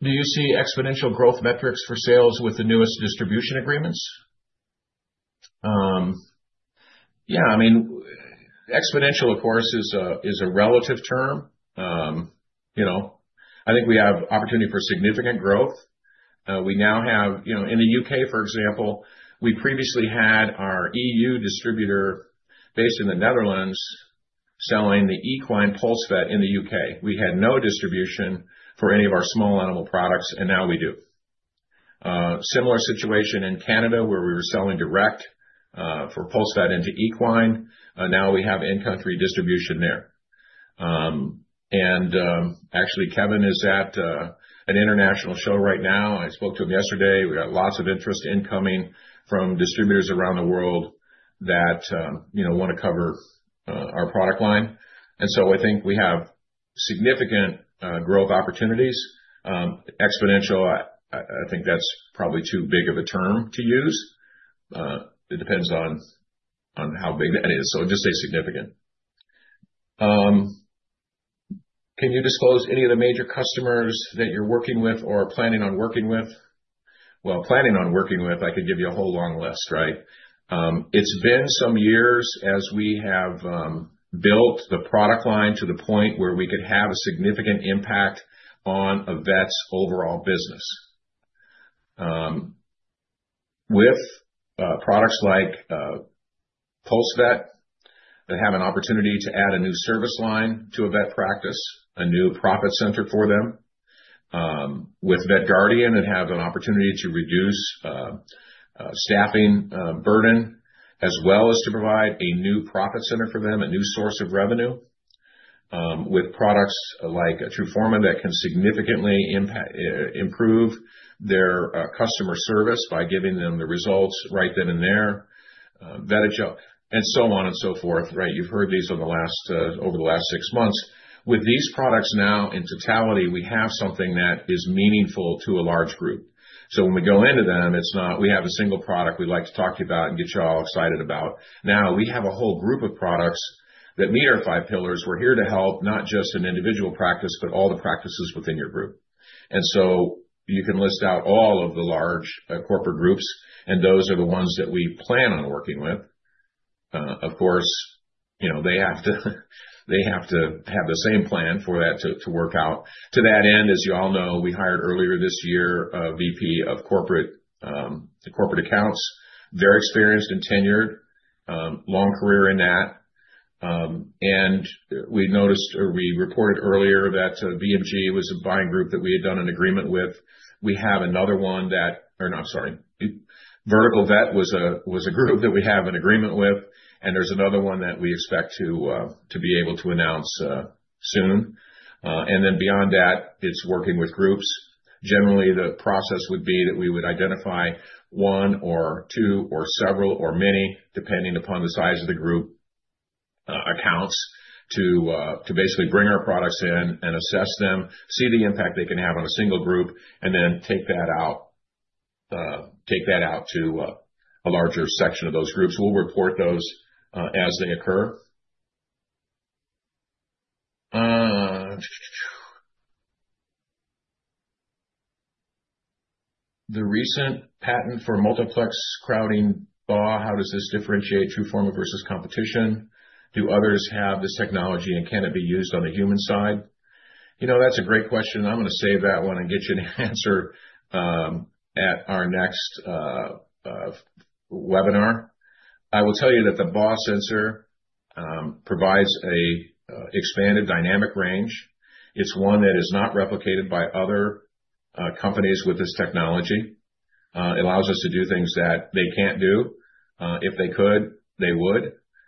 Do you see exponential growth metrics for sales with the newest distribution agreements? Yeah. I mean, exponential, of course, is a relative term. I think we have opportunity for significant growth. We now have, in the U.K., for example, we previously had our EU distributor based in the Netherlands selling the equine PulseVet in the U.K. We had no distribution for any of our small animal products, and now we do. Similar situation in Canada where we were selling direct for PulseVet into equine. Now we have in-country distribution there. Actually, Kevin is at an international show right now. I spoke to him yesterday. We got lots of interest incoming from distributors around the world that want to cover our product line. I think we have significant growth opportunities. Exponential, I think that's probably too big of a term to use. It depends on how big that is. I'll just say significant. Can you disclose any of the major customers that you're working with or planning on working with? Planning on working with, I could give you a whole long list, right? It's been some years as we have built the product line to the point where we could have a significant impact on a vet's overall business. With products like PulseVet, they have an opportunity to add a new service line to a vet practice, a new profit center for them. With VETGuardian, they have an opportunity to reduce staffing burden as well as to provide a new profit center for them, a new source of revenue. With products like TRUFORMA that can significantly improve their customer service by giving them the results right then and there, and so on and so forth, right? You've heard these over the last six months. With these products now in totality, we have something that is meaningful to a large group. When we go into them, it's not, "We have a single product we'd like to talk to you about and get you all excited about." Now, we have a whole group of products that meet our five pillars. We're here to help not just an individual practice, but all the practices within your group. You can list out all of the large corporate groups, and those are the ones that we plan on working with. Of course, they have to have the same plan for that to work out. To that end, as you all know, we hired earlier this year a VP of Corporate Accounts. They're experienced and tenured, long career in that. We noticed or we reported earlier that BMG was a buying group that we had done an agreement with. We have another one that—or no, I'm sorry. Vertical Vet was a group that we have an agreement with, and there's another one that we expect to be able to announce soon. Beyond that, it's working with groups. Generally, the process would be that we would identify one or two or several or many, depending upon the size of the group, accounts to basically bring our products in and assess them, see the impact they can have on a single group, and then take that out to a larger section of those groups. We'll report those as they occur. The recent patent for multiplex crowding, how does this differentiate TRUFORMA versus competition? Do others have this technology, and can it be used on the human side? That's a great question. I'm going to save that one and get you an answer at our next webinar. I will tell you that the BA sensor provides an expanded dynamic range. It's one that is not replicated by other companies with this technology. It allows us to do things that they can't do. If they could, they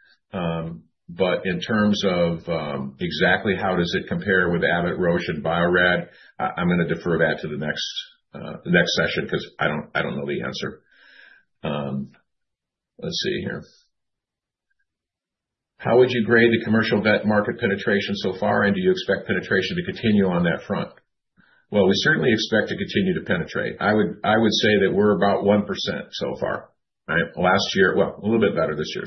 would. In terms of exactly how does it compare with Abbott, Roche, and BioRad, I'm going to defer that to the next session because I don't know the answer. Let's see here. How would you grade the commercial vet market penetration so far, and do you expect penetration to continue on that front? We certainly expect to continue to penetrate. I would say that we're about 1% so far, right? Last year—a little bit better this year.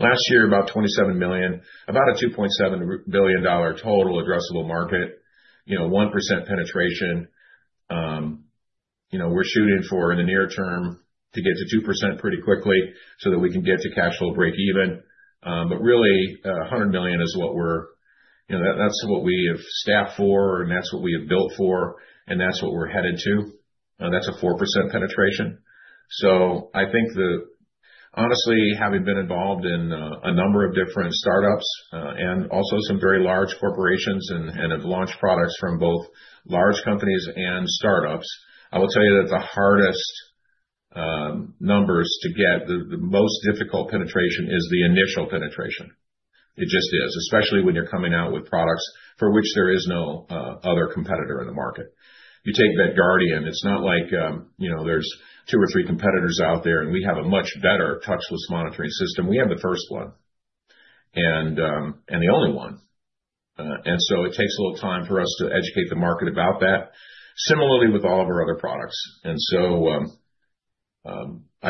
Last year, about $27 million, about a $2.7 billion total addressable market, 1% penetration. We're shooting for, in the near term, to get to 2% pretty quickly so that we can get to cash flow break-even. Really, $100 million is what we're—that's what we have staffed for, and that's what we have built for, and that's what we're headed to. That's a 4% penetration. I think, honestly, having been involved in a number of different startups and also some very large corporations and have launched products from both large companies and startups, I will tell you that the hardest numbers to get—the most difficult penetration is the initial penetration. It just is, especially when you're coming out with products for which there is no other competitor in the market. You take VETGuardian. It's not like there's two or three competitors out there, and we have a much better touchless monitoring system. We have the first one and the only one. It takes a little time for us to educate the market about that, similarly with all of our other products. I'd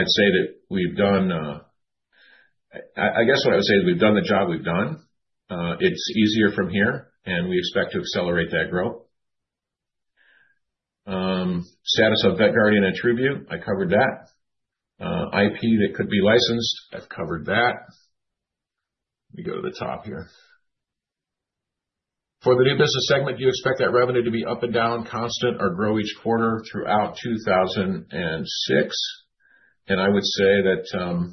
say that we've done—I guess what I would say is we've done the job we've done. It's easier from here, and we expect to accelerate that growth. Status of VETGuardian and TRUVIEW. I covered that. IP that could be licensed. I've covered that. Let me go to the top here. For the new business segment, do you expect that revenue to be up and down, constant, or grow each quarter throughout 2006? I would say that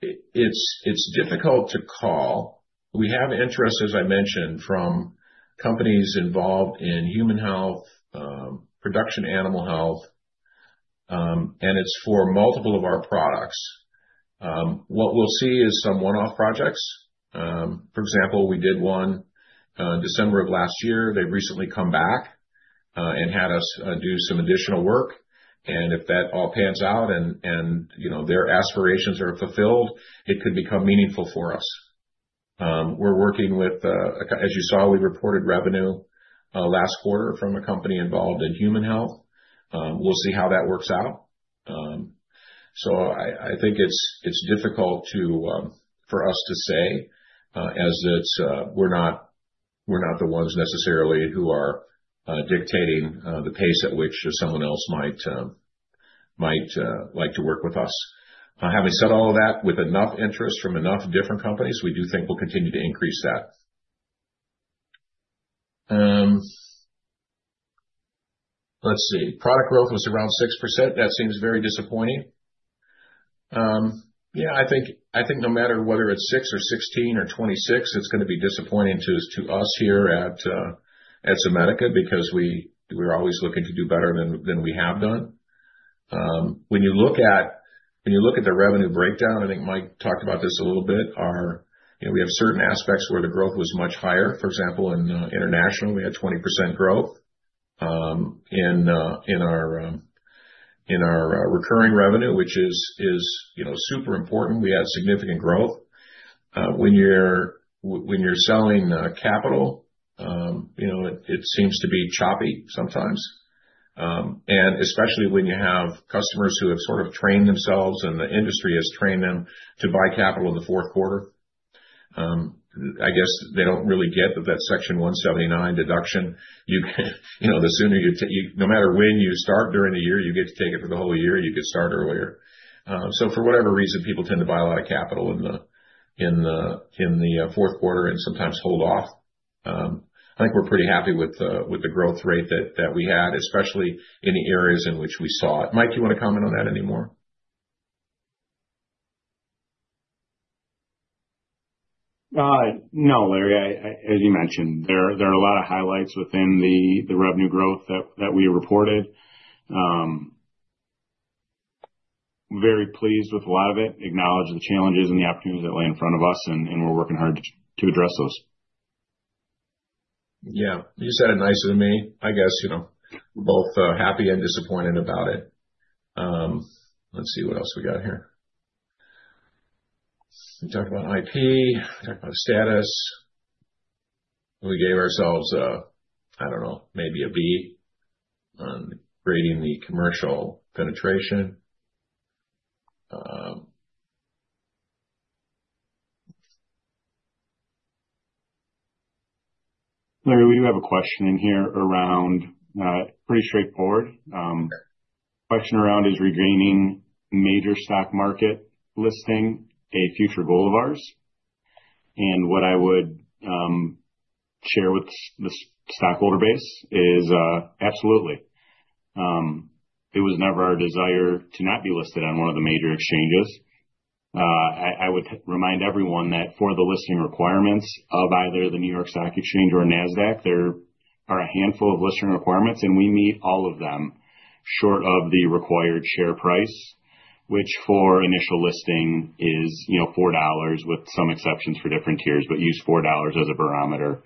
it's difficult to call. We have interest, as I mentioned, from companies involved in human health, production animal health, and it's for multiple of our products. What we'll see is some one-off projects. For example, we did one in December of last year. They've recently come back and had us do some additional work. If that all pans out and their aspirations are fulfilled, it could become meaningful for us. We're working with—as you saw, we reported revenue last quarter from a company involved in human health. We'll see how that works out. I think it's difficult for us to say as we're not the ones necessarily who are dictating the pace at which someone else might like to work with us. Having said all of that, with enough interest from enough different companies, we do think we'll continue to increase that. Let's see. Product growth was around 6%. That seems very disappointing. Yeah. I think no matter whether it's 6 or 16 or 26, it's going to be disappointing to us here at Zomedica because we're always looking to do better than we have done. When you look at the revenue breakdown, I think Mike talked about this a little bit, we have certain aspects where the growth was much higher. For example, in international, we had 20% growth in our recurring revenue, which is super important. We had significant growth. When you're selling capital, it seems to be choppy sometimes. Especially when you have customers who have sort of trained themselves and the industry has trained them to buy capital in the fourth quarter, I guess they do not really get that that Section 179 deduction. The sooner you—no matter when you start during the year, you get to take it for the whole year. You get started earlier. For whatever reason, people tend to buy a lot of capital in the fourth quarter and sometimes hold off. I think we're pretty happy with the growth rate that we had, especially in the areas in which we saw it. Mike, do you want to comment on that anymore? No, Larry. As you mentioned, there are a lot of highlights within the revenue growth that we reported. Very pleased with a lot of it. Acknowledge the challenges and the opportunities that lay in front of us, and we're working hard to address those. Yeah. You said it nicer than me. I guess we're both happy and disappointed about it. Let's see what else we got here. We talked about IP. We talked about status. We gave ourselves, I don't know, maybe a B on grading the commercial penetration. Larry, we do have a question in here around pretty straightforward. Question around is regaining major stock market listing a future goal of ours. What I would share with the stockholder base is absolutely. It was never our desire to not be listed on one of the major exchanges. I would remind everyone that for the listing requirements of either the New York Stock Exchange or NASDAQ, there are a handful of listing requirements, and we meet all of them short of the required share price, which for initial listing is $4 with some exceptions for different tiers, but use $4 as a barometer.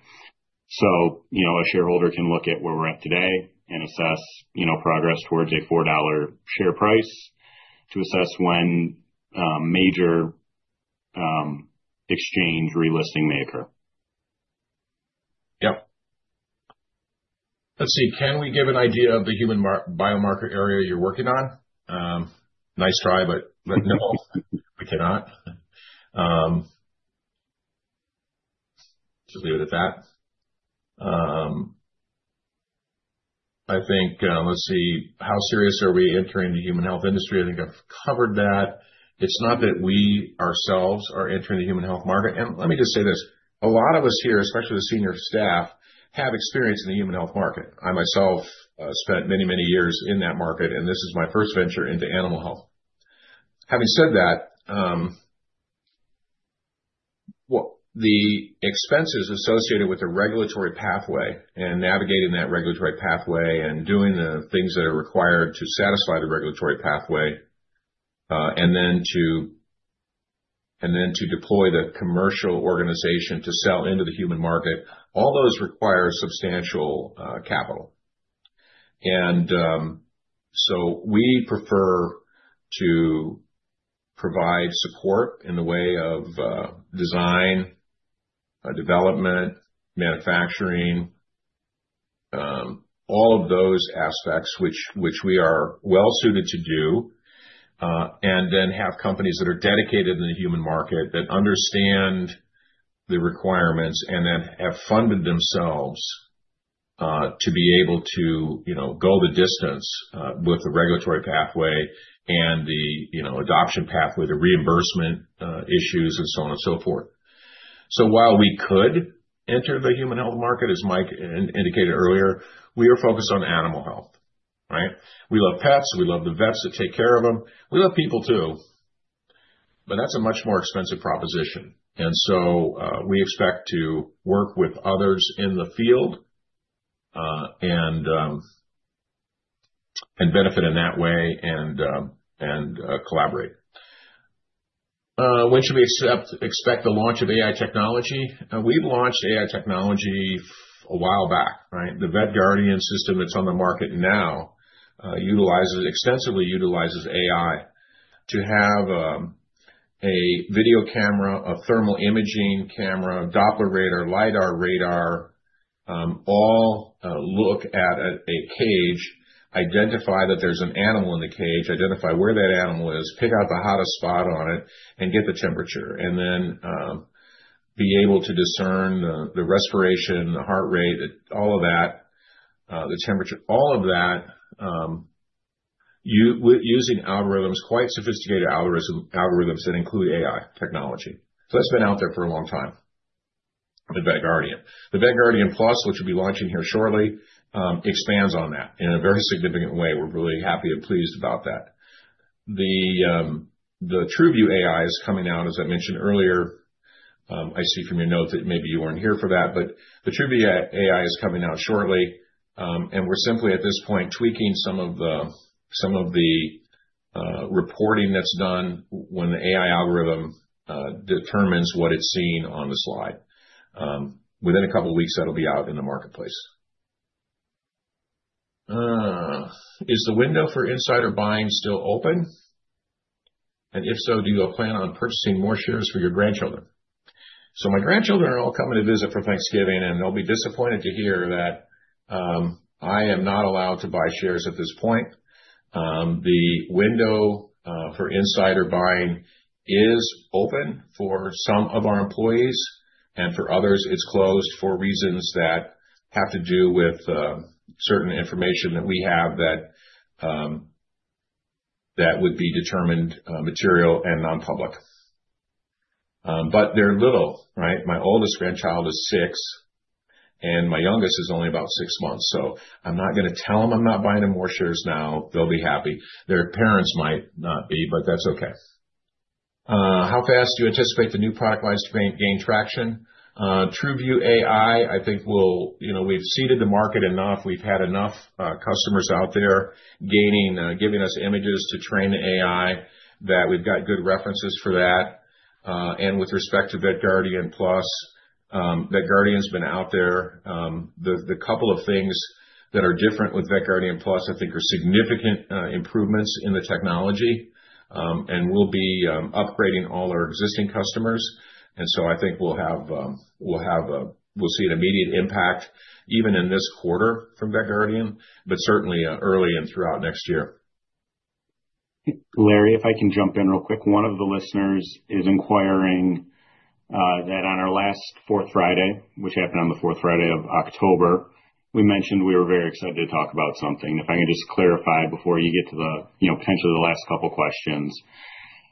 A shareholder can look at where we're at today and assess progress towards a $4 share price to assess when major exchange relisting may occur. Yep. Let's see. Can we give an idea of the human biomarker area you're working on? Nice try, but no, we cannot. Just leave it at that. I think, let's see, how serious are we entering the human health industry? I think I've covered that. It's not that we ourselves are entering the human health market. Let me just say this. A lot of us here, especially the senior staff, have experience in the human health market. I myself spent many, many years in that market, and this is my first venture into animal health. Having said that, the expenses associated with the regulatory pathway and navigating that regulatory pathway and doing the things that are required to satisfy the regulatory pathway and then to deploy the commercial organization to sell into the human market, all those require substantial capital. We prefer to provide support in the way of design, development, manufacturing, all of those aspects which we are well-suited to do, and then have companies that are dedicated in the human market that understand the requirements and then have funded themselves to be able to go the distance with the regulatory pathway and the adoption pathway, the reimbursement issues, and so on and so forth. While we could enter the human health market, as Mike indicated earlier, we are focused on animal health, right? We love pets. We love the vets that take care of them. We love people too. That is a much more expensive proposition. We expect to work with others in the field and benefit in that way and collaborate. When should we expect the launch of AI technology? We have launched AI technology a while back, right? The VETGuardian system that's on the market now extensively utilizes AI. To have a video camera, a thermal imaging camera, Doppler radar, LIDAR radar, all look at a cage, identify that there's an animal in the cage, identify where that animal is, pick out the hottest spot on it, and get the temperature, and then be able to discern the respiration, the heart rate, all of that, the temperature, all of that using algorithms, quite sophisticated algorithms that include AI technology. That's been out there for a long time with VETGuardian. The VETGuardian PLUS, which will be launching here shortly, expands on that in a very significant way. We're really happy and pleased about that. The TRUVIEW AI is coming out, as I mentioned earlier. I see from your note that maybe you weren't here for that, but the TRUVIEW AI is coming out shortly. We're simply, at this point, tweaking some of the reporting that's done when the AI algorithm determines what it's seeing on the slide. Within a couple of weeks, that'll be out in the marketplace. Is the window for insider buying still open? If so, do you plan on purchasing more shares for your grandchildren? My grandchildren are all coming to visit for Thanksgiving, and they'll be disappointed to hear that I am not allowed to buy shares at this point. The window for insider buying is open for some of our employees, and for others, it's closed for reasons that have to do with certain information that we have that would be determined material and nonpublic. They're little, right? My oldest grandchild is six, and my youngest is only about six months. I'm not going to tell them I'm not buying them more shares now. They'll be happy. Their parents might not be, but that's okay. How fast do you anticipate the new product lines to gain traction? TRUVIEW AI, I think we've seeded the market enough. We've had enough customers out there giving us images to train the AI that we've got good references for that. With respect to VETGuardian PLUS, VETGuardian's been out there. The couple of things that are different with VETGuardian PLUS, I think, are significant improvements in the technology and will be upgrading all our existing customers. I think we'll see an immediate impact even in this quarter from VETGuardian, but certainly early and throughout next year. Larry, if I can jump in real quick, one of the listeners is inquiring that on our last fourth Friday, which happened on the fourth Friday of October, we mentioned we were very excited to talk about something. If I can just clarify before you get to potentially the last couple of questions.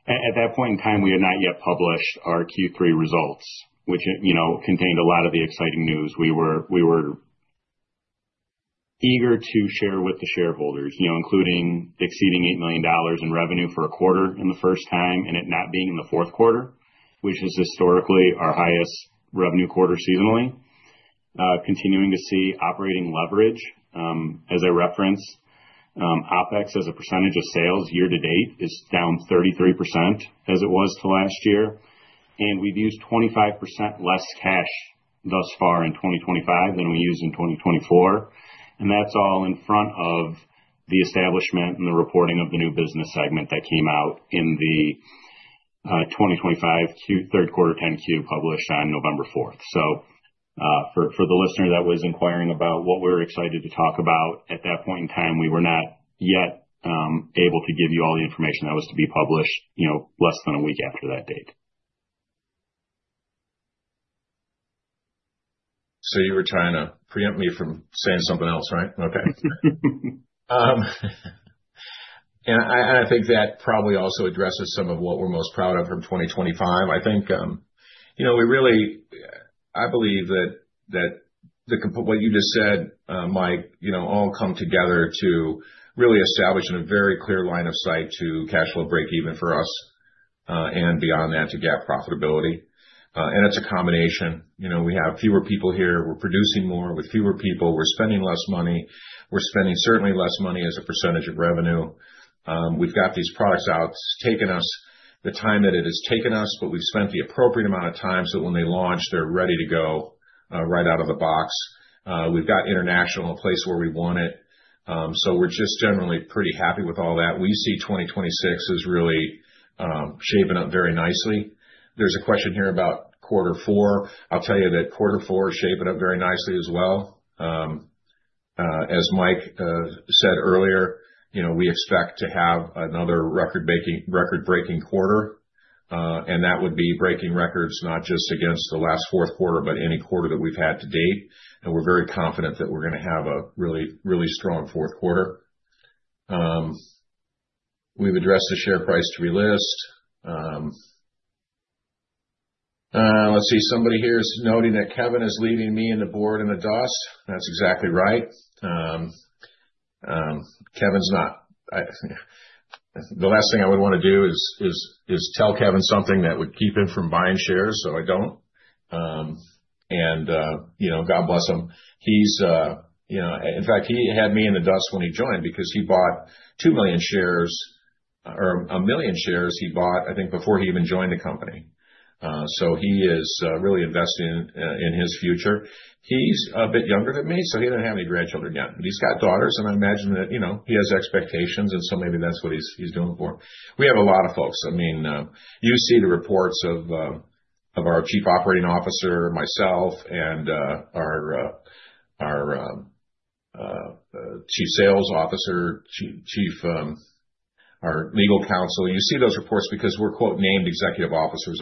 At that point in time, we had not yet published our Q3 results, which contained a lot of the exciting news. We were eager to share with the shareholders, including exceeding $8 million in revenue for a quarter for the first time and it not being in the fourth quarter, which is historically our highest revenue quarter seasonally. Continuing to see operating leverage as a reference. OpEx as a percentage of sales year to date is down 33% as it was to last year. We've used 25% less cash thus far in 2025 than we used in 2024. That is all in front of the establishment and the reporting of the new business segment that came out in the 2025 Q3 10-Q published on November 4. For the listener that was inquiring about what we were excited to talk about at that point in time, we were not yet able to give you all the information that was to be published less than a week after that date. You were trying to preempt me from saying something else, right? Okay. I think that probably also addresses some of what we're most proud of from 2025. I think we really believe that what you just said, Mike, all come together to really establish in a very clear line of sight to cash flow break-even for us and beyond that to GAAP profitability. It is a combination. We have fewer people here. We are producing more with fewer people. We are spending less money. We are spending certainly less money as a percentage of revenue. We have got these products out. It has taken us the time that it has taken us, but we have spent the appropriate amount of time so when they launch, they are ready to go right out of the box. We have got international, a place where we want it. We are just generally pretty happy with all that. We see 2026 is really shaping up very nicely. There is a question here about quarter four. I will tell you that quarter four is shaping up very nicely as well. As Mike said earlier, we expect to have another record-breaking quarter. That would be breaking records not just against the last fourth quarter, but any quarter that we've had to date. We are very confident that we're going to have a really, really strong fourth quarter. We've addressed the share price to relist. Let's see. Somebody here is noting that Kevin is leaving me and the board in the dust. That's exactly right. Kevin's not. The last thing I would want to do is tell Kevin something that would keep him from buying shares so I don't. God bless him. In fact, he had me in the dust when he joined because he bought 2 million shares or a million shares he bought, I think, before he even joined the company. He is really investing in his future. He's a bit younger than me, so he doesn't have any grandchildren yet. He's got daughters, and I imagine that he has expectations, and maybe that's what he's doing for. We have a lot of folks. I mean, you see the reports of our Chief Operating Officer, myself, and our Chief Sales Officer, our legal counsel. You see those reports because we're "named executive officers,"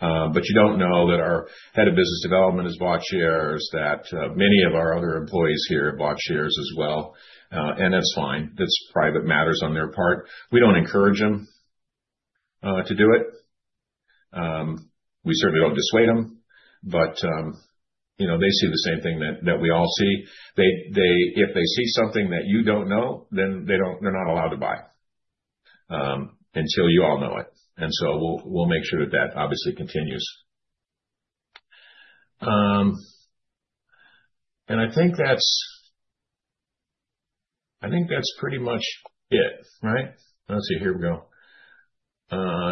but you don't know that our head of business development has bought shares, that many of our other employees here have bought shares as well. That's fine. That's private matters on their part. We don't encourage them to do it. We certainly don't dissuade them, but they see the same thing that we all see. If they see something that you don't know, then they're not allowed to buy until you all know it. We will make sure that that obviously continues. I think that's pretty much it, right? Let's see. Here we go.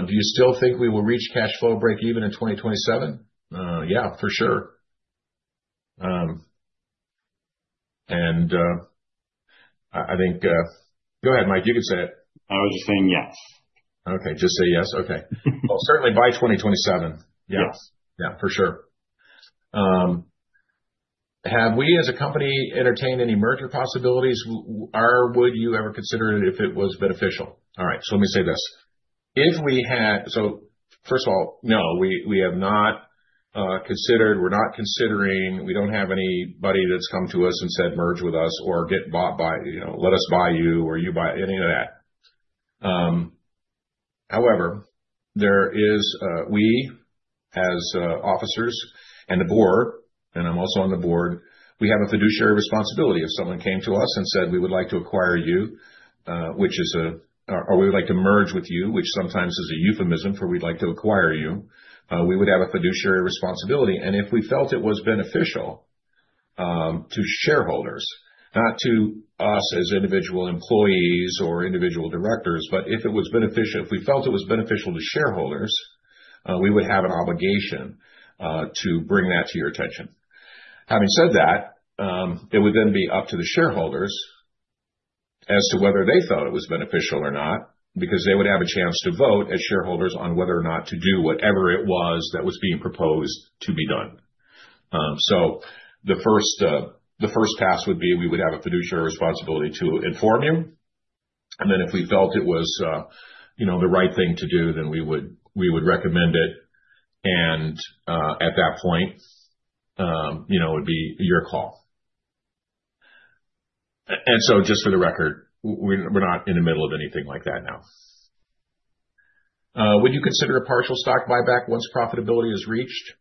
Do you still think we will reach cash flow break-even in 2027? Yeah, for sure. I think go ahead, Mike. You can say it. I was just saying yes. Okay. Just say yes. Okay. Certainly by 2027. Yes. Yeah, for sure. Have we as a company entertained any merger possibilities? Or would you ever consider it if it was beneficial? All right. Let me say this. If we had so first of all, no, we have not considered. We're not considering. We don't have anybody that's come to us and said, "Merge with us," or, "Get bought by let us buy you," or, "You buy any of that." However, we, as officers and the board, and I'm also on the board, we have a fiduciary responsibility. If someone came to us and said, "We would like to acquire you," which is a or, "We would like to merge with you," which sometimes is a euphemism for, "We'd like to acquire you," we would have a fiduciary responsibility. If we felt it was beneficial to shareholders, not to us as individual employees or individual directors, but if it was beneficial, if we felt it was beneficial to shareholders, we would have an obligation to bring that to your attention. Having said that, it would then be up to the shareholders as to whether they felt it was beneficial or not because they would have a chance to vote as shareholders on whether or not to do whatever it was that was being proposed to be done. The first task would be we would have a fiduciary responsibility to inform you. If we felt it was the right thing to do, then we would recommend it. At that point, it would be your call. Just for the record, we're not in the middle of anything like that now. Would you consider a partial stock buyback once profitability is reached?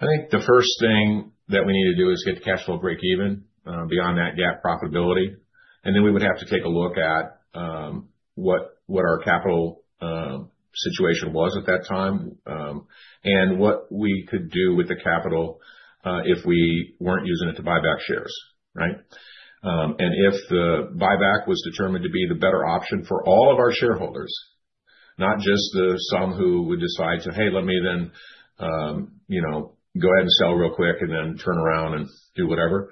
I think the first thing that we need to do is get cash flow break-even beyond that GAAP profitability. We would have to take a look at what our capital situation was at that time and what we could do with the capital if we were not using it to buy back shares, right? If the buyback was determined to be the better option for all of our shareholders, not just some who would decide to, "Hey, let me then go ahead and sell real quick and then turn around and do whatever,"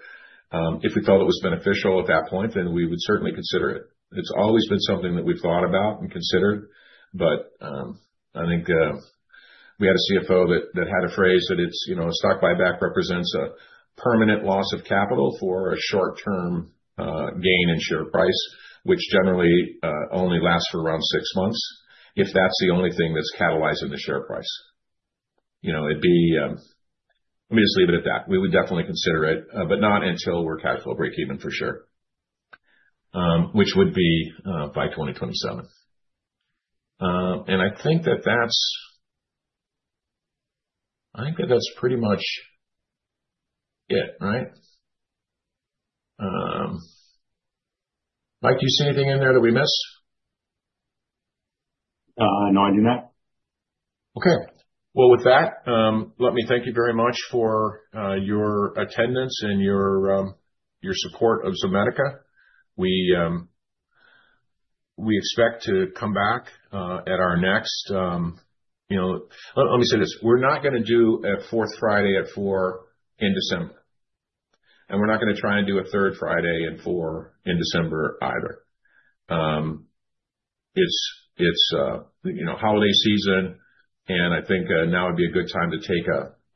if we felt it was beneficial at that point, we would certainly consider it. It has always been something that we have thought about and considered. I think we had a CFO that had a phrase that stock buyback represents a permanent loss of capital for a short-term gain in share price, which generally only lasts for around six months if that is the only thing that is catalyzing the share price. Let me just leave it at that. We would definitely consider it, but not until we're cash flow break-even for sure, which would be by 2027. I think that that's pretty much it, right? Mike, do you see anything in there that we missed? No, I do not. With that, let me thank you very much for your attendance and your support of Zomedica. We expect to come back at our next, let me say this. We're not going to do a fourth Friday at 4:00 P.M. in December. We're not going to try and do a third Friday at 4:00 P.M. in December either. It's holiday season, and I think now would be a good time to take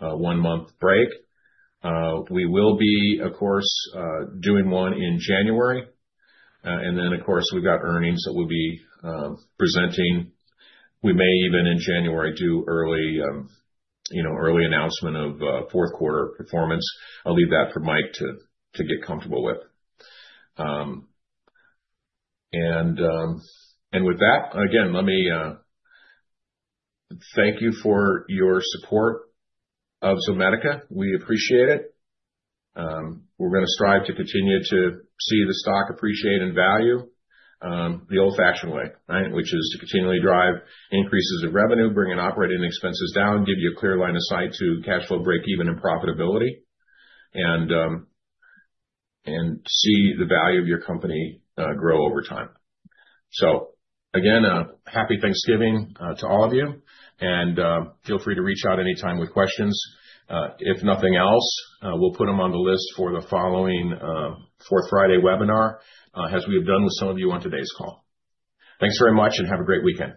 a one-month break. We will be, of course, doing one in January. Of course, we've got earnings that we'll be presenting. We may even in January do early announcement of fourth quarter performance. I'll leave that for Mike to get comfortable with. With that, again, let me thank you for your support of Zomedica. We appreciate it. We're going to strive to continue to see the stock appreciate in value the old-fashioned way, right, which is to continually drive increases of revenue, bringing operating expenses down, give you a clear line of sight to cash flow break-even and profitability, and see the value of your company grow over time. Again, happy Thanksgiving to all of you. Feel free to reach out anytime with questions. If nothing else, we'll put them on the list for the following fourth Friday webinar, as we have done with some of you on today's call. Thanks very much, and have a great weekend.